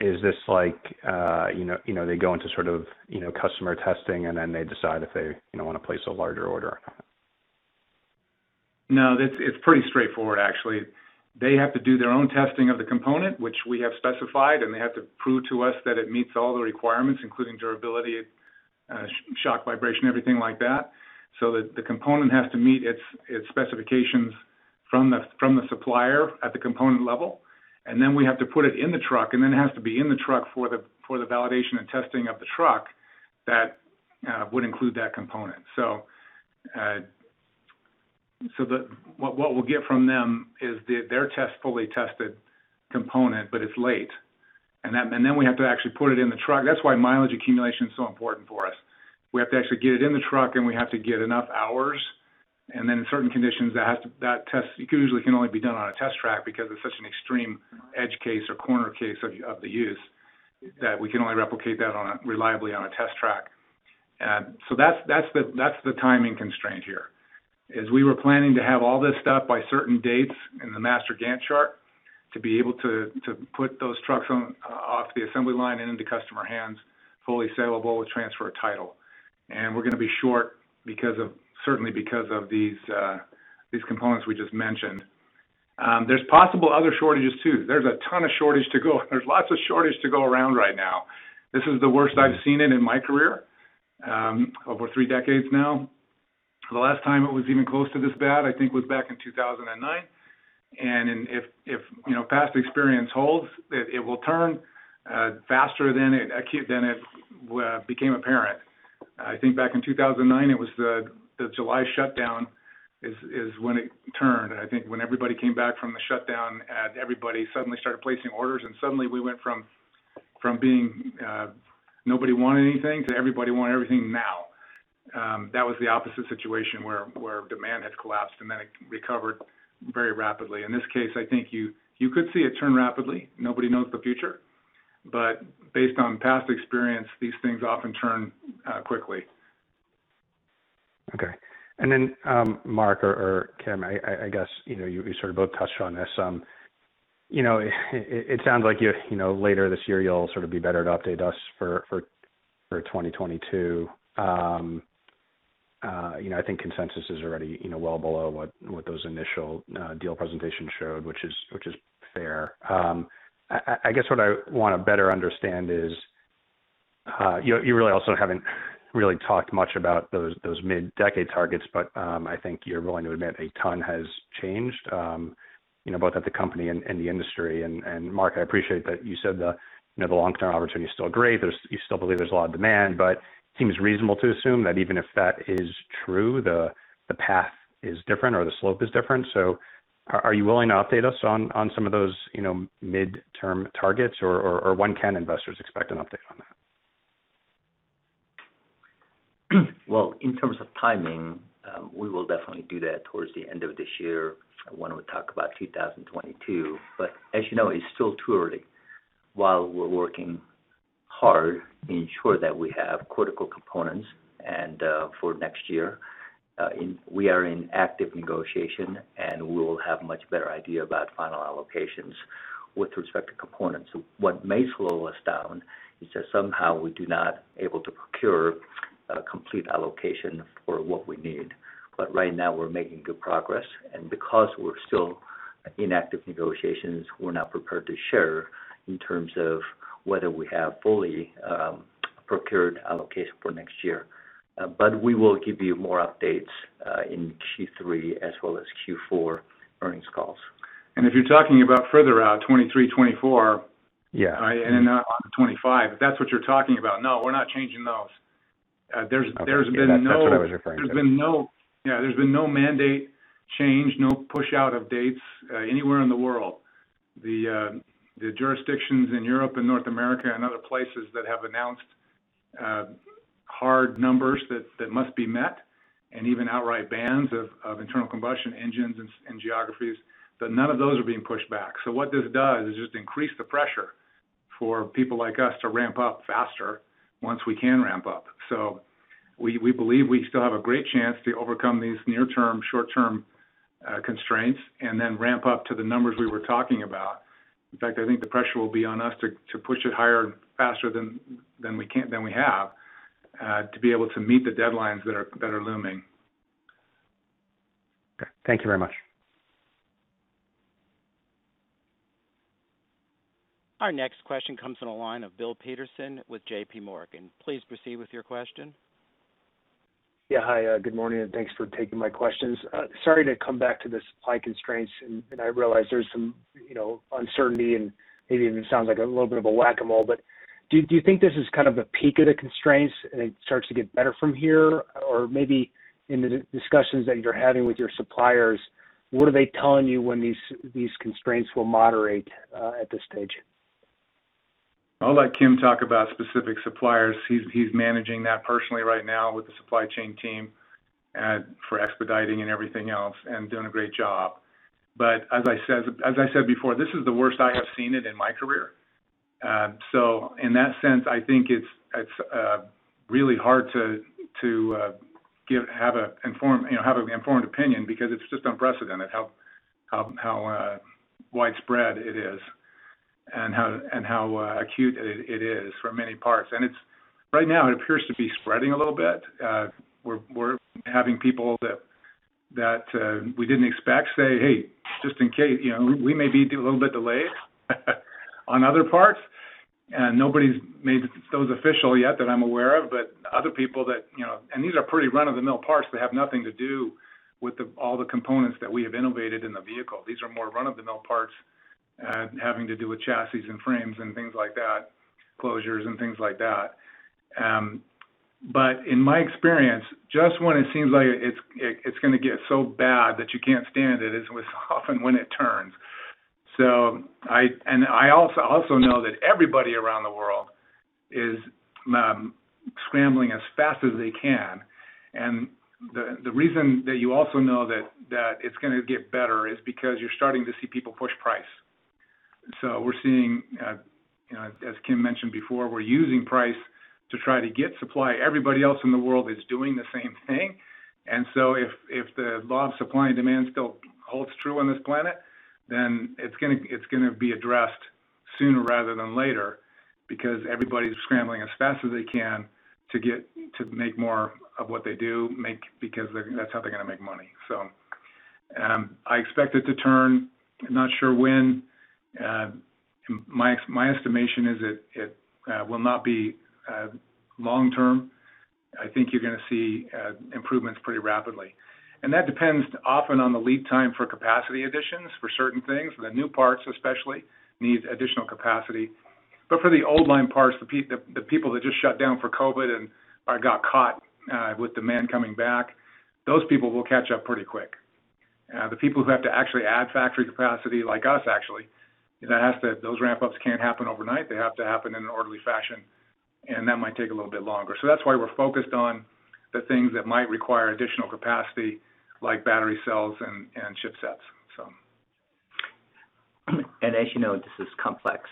is this like they go into customer testing, and then they decide if they want to place a larger order? No. It's pretty straightforward, actually. They have to do their own testing of the component, which we have specified, and they have to prove to us that it meets all the requirements, including durability, shock, vibration, everything like that. The component has to meet its specifications from the supplier at the component level, and then we have to put it in the truck, and then it has to be in the truck for the validation and testing of the truck that would include that component. What we'll get from them is their fully tested component, but it's late. We have to actually put it in the truck. That's why mileage accumulation is so important for us. We have to actually get it in the truck, we have to get enough hours, then in certain conditions, that test usually can only be done on a test track because it's such an extreme edge case or corner case of the use that we can only replicate that reliably on a test track. That's the timing constraint here, is we were planning to have all this stuff by certain dates in the Master Gantt chart to be able to put those trucks off the assembly line and into customer hands, fully saleable with transfer of title. We're going to be short, certainly because of these components we just mentioned. There's possible other shortages, too. There's a ton of shortage to go. There's lots of shortage to go around right now. This is the worst I've seen it in my career, over three decades now. The last time it was even close to this bad, I think, was back in 2009. If past experience holds, it will turn faster than it became apparent. I think back in 2009, it was the July shutdown is when it turned. I think when everybody came back from the shutdown, everybody suddenly started placing orders, and suddenly we went from being nobody wanted anything to everybody want everything now. That was the opposite situation, where demand had collapsed and then it recovered very rapidly. In this case, I think you could see it turn rapidly. Nobody knows the future. Based on past experience, these things often turn quickly. Okay. Then, Mark or Kim, I guess you both touched on this. It sounds like later this year, you'll be better to update us for 2022. I think consensus is already well below what those initial deal presentations showed, which is fair. I guess what I want to better understand is you really also haven't really talked much about those mid-decade targets, but I think you're willing to admit a ton has changed both at the company and the industry. Mark, I appreciate that you said the long-term opportunity is still great. You still believe there's a lot of demand. It seems reasonable to assume that even if that is true, the path is different or the slope is different. Are you willing to update us on some of those mid-term targets, or when can investors expect an update on that? Well, in terms of timing, we will definitely do that towards the end of this year when we talk about 2022. As you know, it's still too early. While we're working hard to ensure that we have critical components for next year, we are in active negotiation, and we will have a much better idea about final allocations with respect to components. What may slow us down is if somehow we do not able to procure a complete allocation for what we need. Right now, we're making good progress. Because we're still in active negotiations, we're not prepared to share in terms of whether we have fully procured allocation for next year. We will give you more updates in Q3 as well as Q4 earnings calls. If you're talking about further out, 2023, 2024. Yeah. On to 2025, if that's what you're talking about, no, we're not changing those. Okay. That's what I was referring to. Yeah, there's been no mandate change, no push-out of dates anywhere in the world. The jurisdictions in Europe and North America and other places that have announced hard numbers that must be met, and even outright bans of internal combustion engines in geographies, none of those are being pushed back. What this does is just increase the pressure for people like us to ramp up faster once we can ramp up. We believe we still have a great chance to overcome these near-term, short-term constraints and then ramp up to the numbers we were talking about. In fact, I think the pressure will be on us to push it higher and faster than we have to be able to meet the deadlines that are looming. Okay. Thank you very much. Our next question comes on the line of Bill Peterson with J.P. Morgan. Please proceed with your question. Yeah. Hi, good morning, and thanks for taking my questions. Sorry to come back to the supply constraints, and I realize there's some uncertainty and maybe even sounds like a little bit of a whack-a-mole, but do you think this is kind of the peak of the constraints and it starts to get better from here? Maybe in the discussions that you're having with your suppliers, what are they telling you when these constraints will moderate at this stage? I'll let Kim talk about specific suppliers. He's managing that personally right now with the supply chain team for expediting and everything else, and doing a great job. As I said before, this is the worst I have seen it in my career. In that sense, I think it's really hard to have an informed opinion because it's just unprecedented how widespread it is and how acute it is for many parts. Right now, it appears to be spreading a little bit. We're having people that we didn't expect say, "Hey, just in case, we may be a little bit delayed on other parts." Nobody's made those official yet that I'm aware of. These are pretty run-of-the-mill parts that have nothing to do with all the components that we have innovated in the vehicle. These are more run-of-the-mill parts having to do with chassis and frames and things like that, closures and things like that. In my experience, just when it seems like it's going to get so bad that you can't stand it's often when it turns. I also know that everybody around the world is scrambling as fast as they can. The reason that you also know that it's going to get better is because you're starting to see people push price. We're seeing, as Kim mentioned before, we're using price to try to get supply. Everybody else in the world is doing the same thing. If the law of supply and demand still holds true on this planet, then it's going to be addressed sooner rather than later because everybody's scrambling as fast as they can to make more of what they do, because that's how they're going to make money. I expect it to turn. I'm not sure when. My estimation is it will not be long-term. I think you're going to see improvements pretty rapidly. That depends often on the lead time for capacity additions for certain things. The new parts especially need additional capacity. For the old line parts, the people that just shut down for COVID and got caught with demand coming back, those people will catch up pretty quick. The people who have to actually add factory capacity, like us actually, those ramp-ups can't happen overnight. They have to happen in an orderly fashion, and that might take a little bit longer. That's why we're focused on the things that might require additional capacity, like battery cells and chipsets. As you know, this is complex,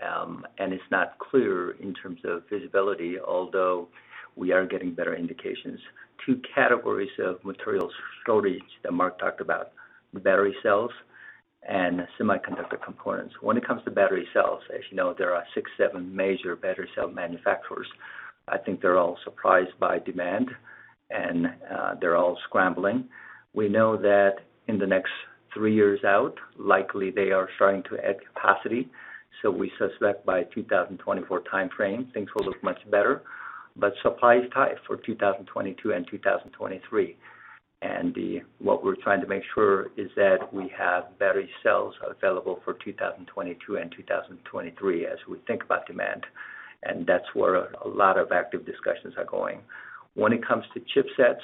and it's not clear in terms of visibility, although we are getting better indications. Two categories of materials shortage that Mark talked about, the battery cells and semiconductor components. When it comes to battery cells, as you know, there are six, seven major battery cell manufacturers. I think they're all surprised by demand, and they're all scrambling. We know that in the next three years out, likely they are starting to add capacity. We suspect by 2024 timeframe, things will look much better. Supply is tight for 2022 and 2023. What we're trying to make sure is that we have battery cells available for 2022 and 2023 as we think about demand. That's where a lot of active discussions are going. When it comes to chipsets,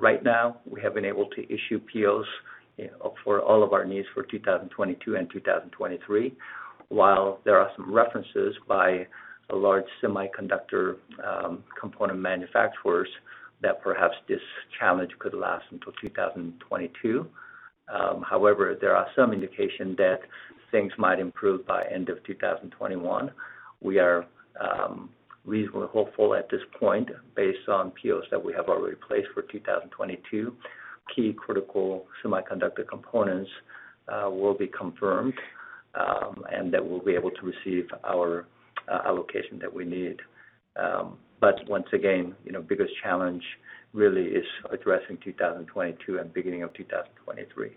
right now we have been able to issue POs for all of our needs for 2022 and 2023. While there are some references by a large semiconductor component manufacturers that perhaps this challenge could last until 2022. There are some indication that things might improve by end of 2021. We are reasonably hopeful at this point, based on POs that we have already placed for 2022, key critical semiconductor components will be confirmed. That we'll be able to receive our allocation that we need. Once again, biggest challenge really is addressing 2022 and beginning of 2023.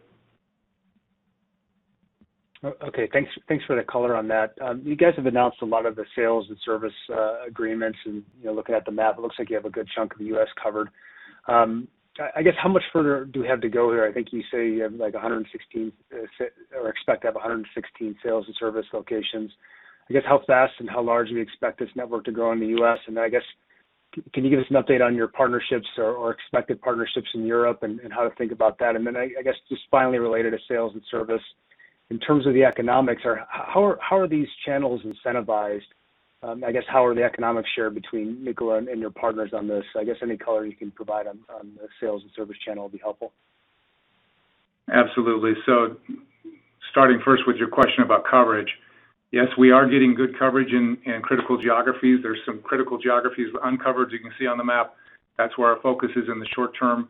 Okay. Thanks for the color on that. You guys have announced a lot of the sales and service agreements, and looking at the map, it looks like you have a good chunk of the U.S. covered. I guess, how much further do we have to go here? I think you say you have 116, or expect to have 116 sales and service locations. I guess, how fast and how large do you expect this network to grow in the U.S.? I guess, can you give us an update on your partnerships or expected partnerships in Europe, and how to think about that? I guess, just finally related to sales and service, in terms of the economics, how are these channels incentivized? I guess, how are the economics shared between Nikola and your partners on this? I guess any color you can provide on the sales and service channel would be helpful. Absolutely. Starting first with your question about coverage, yes, we are getting good coverage in critical geographies. There's some critical geographies uncovered, you can see on the map. That's where our focus is in the short term.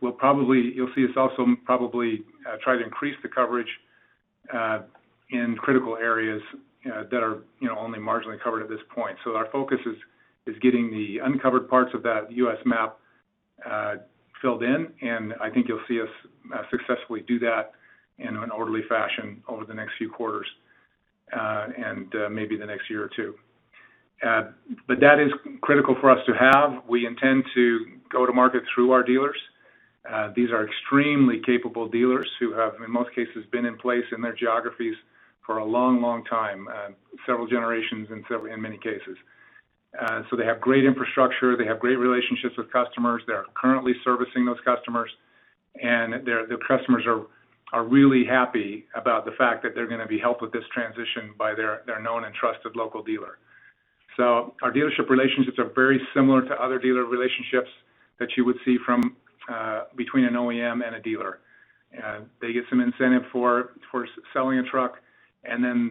You'll see us also probably try to increase the coverage in critical areas that are only marginally covered at this point. Our focus is getting the uncovered parts of that U.S. map filled in, and I think you'll see us successfully do that in an orderly fashion over the next few quarters, and maybe the next year or two. That is critical for us to have. We intend to go to market through our dealers. These are extremely capable dealers who have, in most cases, been in place in their geographies for a long time, several generations in many cases. They have great infrastructure, they have great relationships with customers that are currently servicing those customers. The customers are really happy about the fact that they're going to be helped with this transition by their known and trusted local dealer. Our dealership relationships are very similar to other dealer relationships that you would see between an OEM and a dealer. They get some incentive for selling a truck, and then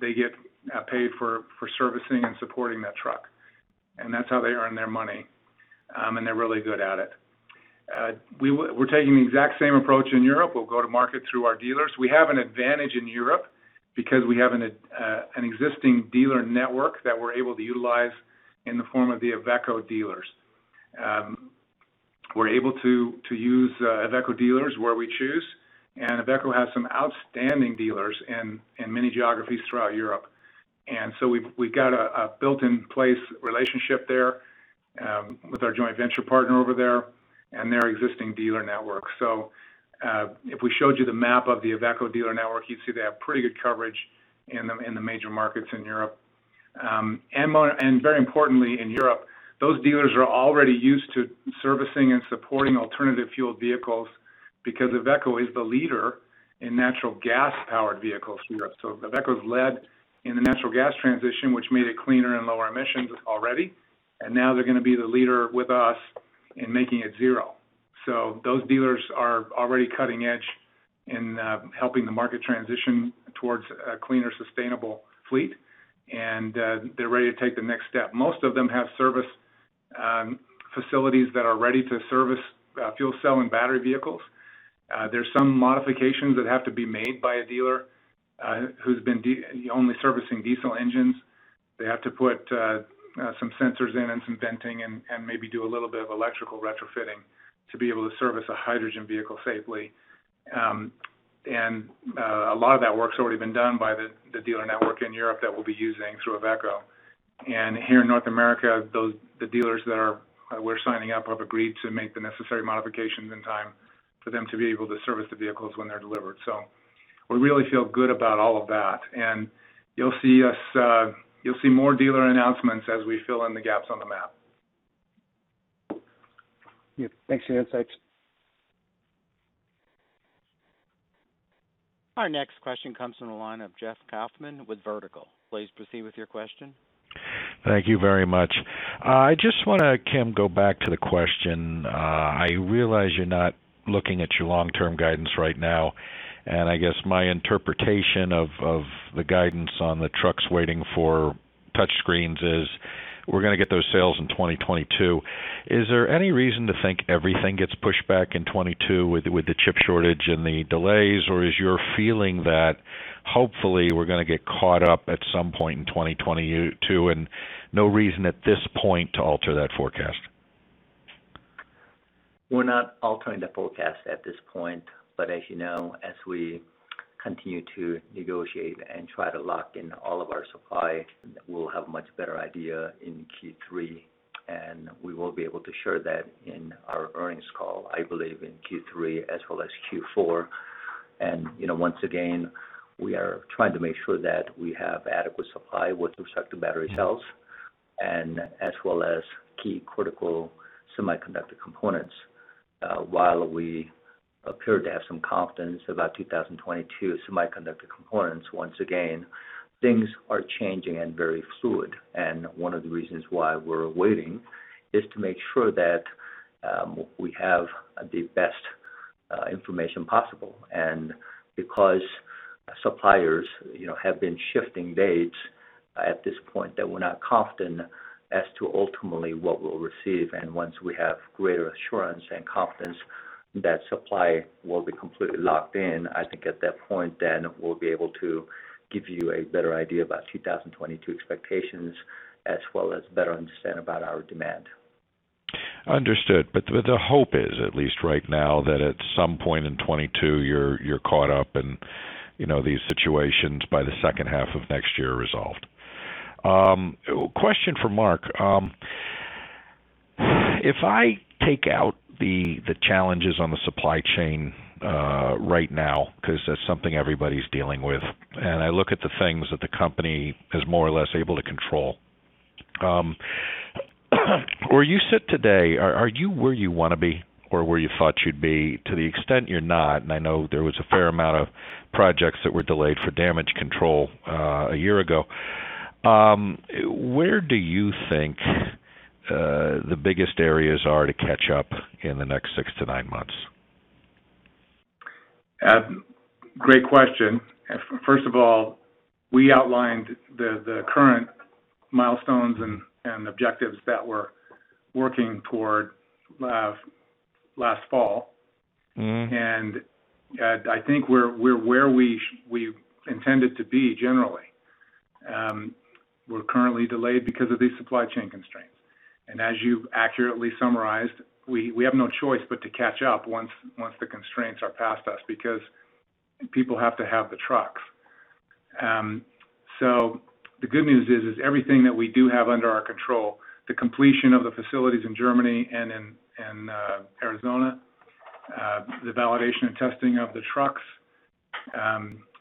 they get paid for servicing and supporting that truck. That's how they earn their money, and they're really good at it. We're taking the exact same approach in Europe. We'll go to market through our dealers. We have an advantage in Europe because we have an existing dealer network that we're able to utilize in the form of the IVECO dealers. We're able to use IVECO dealers where we choose. IVECO has some outstanding dealers in many geographies throughout Europe. We've got a built-in-place relationship there with our joint venture partner over there and their existing dealer network. If we showed you the map of the IVECO dealer network, you'd see they have pretty good coverage in the major markets in Europe. Very importantly, in Europe, those dealers are already used to servicing and supporting alternative fuel vehicles because IVECO is the leader in natural gas-powered vehicles in Europe. IVECO has led in the natural gas transition, which made it cleaner and lower emissions already. Now they're going to be the leader with us in making it zero. Those dealers are already cutting edge in helping the market transition towards a cleaner, sustainable fleet, and they're ready to take the next step. Most of them have service facilities that are ready to service fuel cell and battery vehicles. There's some modifications that have to be made by a dealer who's been only servicing diesel engines. They have to put some sensors in and some venting and maybe do a little bit of electrical retrofitting to be able to service a hydrogen vehicle safely. A lot of that work's already been done by the dealer network in Europe that we'll be using through IVECO. Here in North America, the dealers that we're signing up have agreed to make the necessary modifications in time for them to be able to service the vehicles when they're delivered. We really feel good about all of that, and you'll see more dealer announcements as we fill in the gaps on the map. Yeah. Thanks for the insights. Our next question comes from the line of Jeff Kauffman with Vertical. Please proceed with your question. Thank you very much. I just want to, Kim, go back to the question. I realize you're not looking at your long-term guidance right now. I guess my interpretation of the guidance on the trucks waiting for touch screens is we're going to get those sales in 2022. Is there any reason to think everything gets pushed back in 2022 with the chip shortage and the delays? Is your feeling that hopefully we're going to get caught up at some point in 2022 and no reason at this point to alter that forecast? We're not altering the forecast at this point, but as you know, as we continue to negotiate and try to lock in all of our supply, we'll have a much better idea in Q3, and we will be able to share that in our earnings call, I believe in Q3 as well as Q4. Once again, we are trying to make sure that we have adequate supply with respect to battery cells and as well as key critical semiconductor components. While we appear to have some confidence about 2022 semiconductor components, once again, things are changing and very fluid. One of the reasons why we're waiting is to make sure that we have the best information possible. Because suppliers have been shifting dates. At this point that we're not confident as to ultimately what we'll receive. Once we have greater assurance and confidence that supply will be completely locked in, I think at that point then we'll be able to give you a better idea about 2022 expectations as well as better understand about our demand. Understood. The hope is, at least right now, that at some point in 2022, you're caught up and these situations by the second half of next year are resolved. Question for Mark. If I take out the challenges on the supply chain right now, because that's something everybody's dealing with, and I look at the things that the company is more or less able to control. Where you sit today, are you where you want to be or where you thought you'd be? To the extent you're not, and I know there was a fair amount of projects that were delayed for damage control a year ago, where do you think the biggest areas are to catch up in the next six to nine months? Great question. First of all, we outlined the current milestones and objectives that we're working toward last fall. I think we're where we intended to be generally. We're currently delayed because of these supply chain constraints. As you accurately summarized, we have no choice but to catch up once the constraints are past us because people have to have the trucks. The good news is everything that we do have under our control, the completion of the facilities in Germany and in Arizona, the validation and testing of the trucks,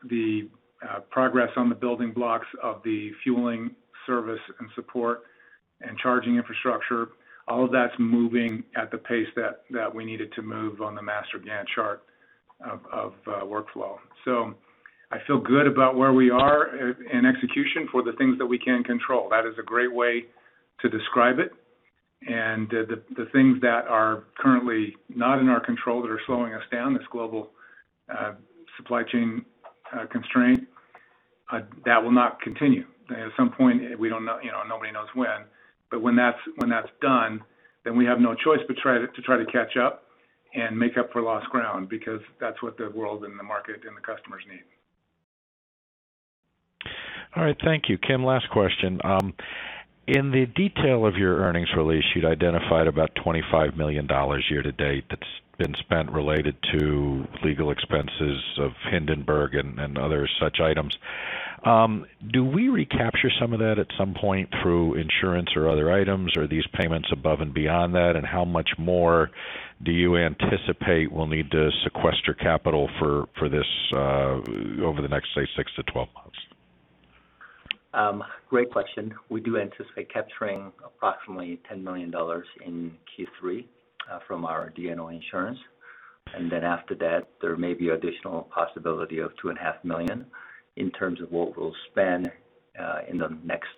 the progress on the building blocks of the fueling service and support and charging infrastructure, all of that's moving at the pace that we need it to move on the Master Gantt chart of workflow. I feel good about where we are in execution for the things that we can control. That is a great way to describe it. The things that are currently not in our control that are slowing us down, this global supply chain constraint, that will not continue. At some point, nobody knows when that's done, we have no choice but to try to catch up and make up for lost ground because that's what the world and the market and the customers need. All right. Thank you. Kim, last question. In the detail of your earnings release, you'd identified about $25 million year-to-date that's been spent related to legal expenses of Hindenburg and other such items. Do we recapture some of that at some point through insurance or other items, or are these payments above and beyond that? How much more do you anticipate we'll need to sequester capital for this over the next, say, 6-12 months? Great question. We do anticipate capturing approximately $10 million in Q3 from our D&O insurance. After that, there may be additional possibility of $2.5 million in terms of what we'll spend in the next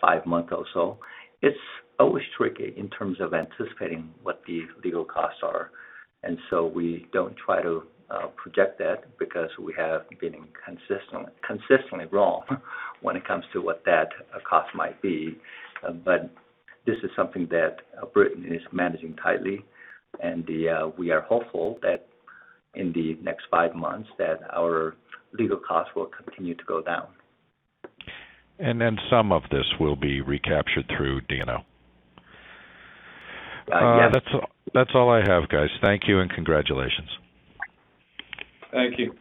five months or so. It's always tricky in terms of anticipating what the legal costs are, and so we don't try to project that because we have been consistently wrong when it comes to what that cost might be. This is something that Britton Worthen is managing tightly, and we are hopeful that in the next five months that our legal costs will continue to go down. Some of this will be recaptured through D&O. Yes. That's all I have, guys. Thank you and congratulations. Thank you.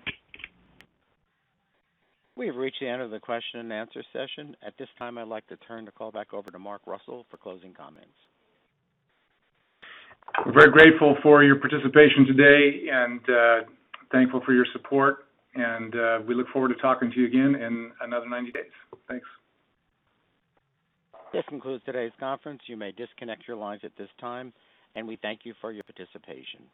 We have reached the end of the question and answer session. At this time, I'd like to turn the call back over to Mark Russell for closing comments. We're very grateful for your participation today and thankful for your support. We look forward to talking to you again in another 90 days. Thanks. This concludes today's conference. You may disconnect your lines at this time, and we thank you for your participation.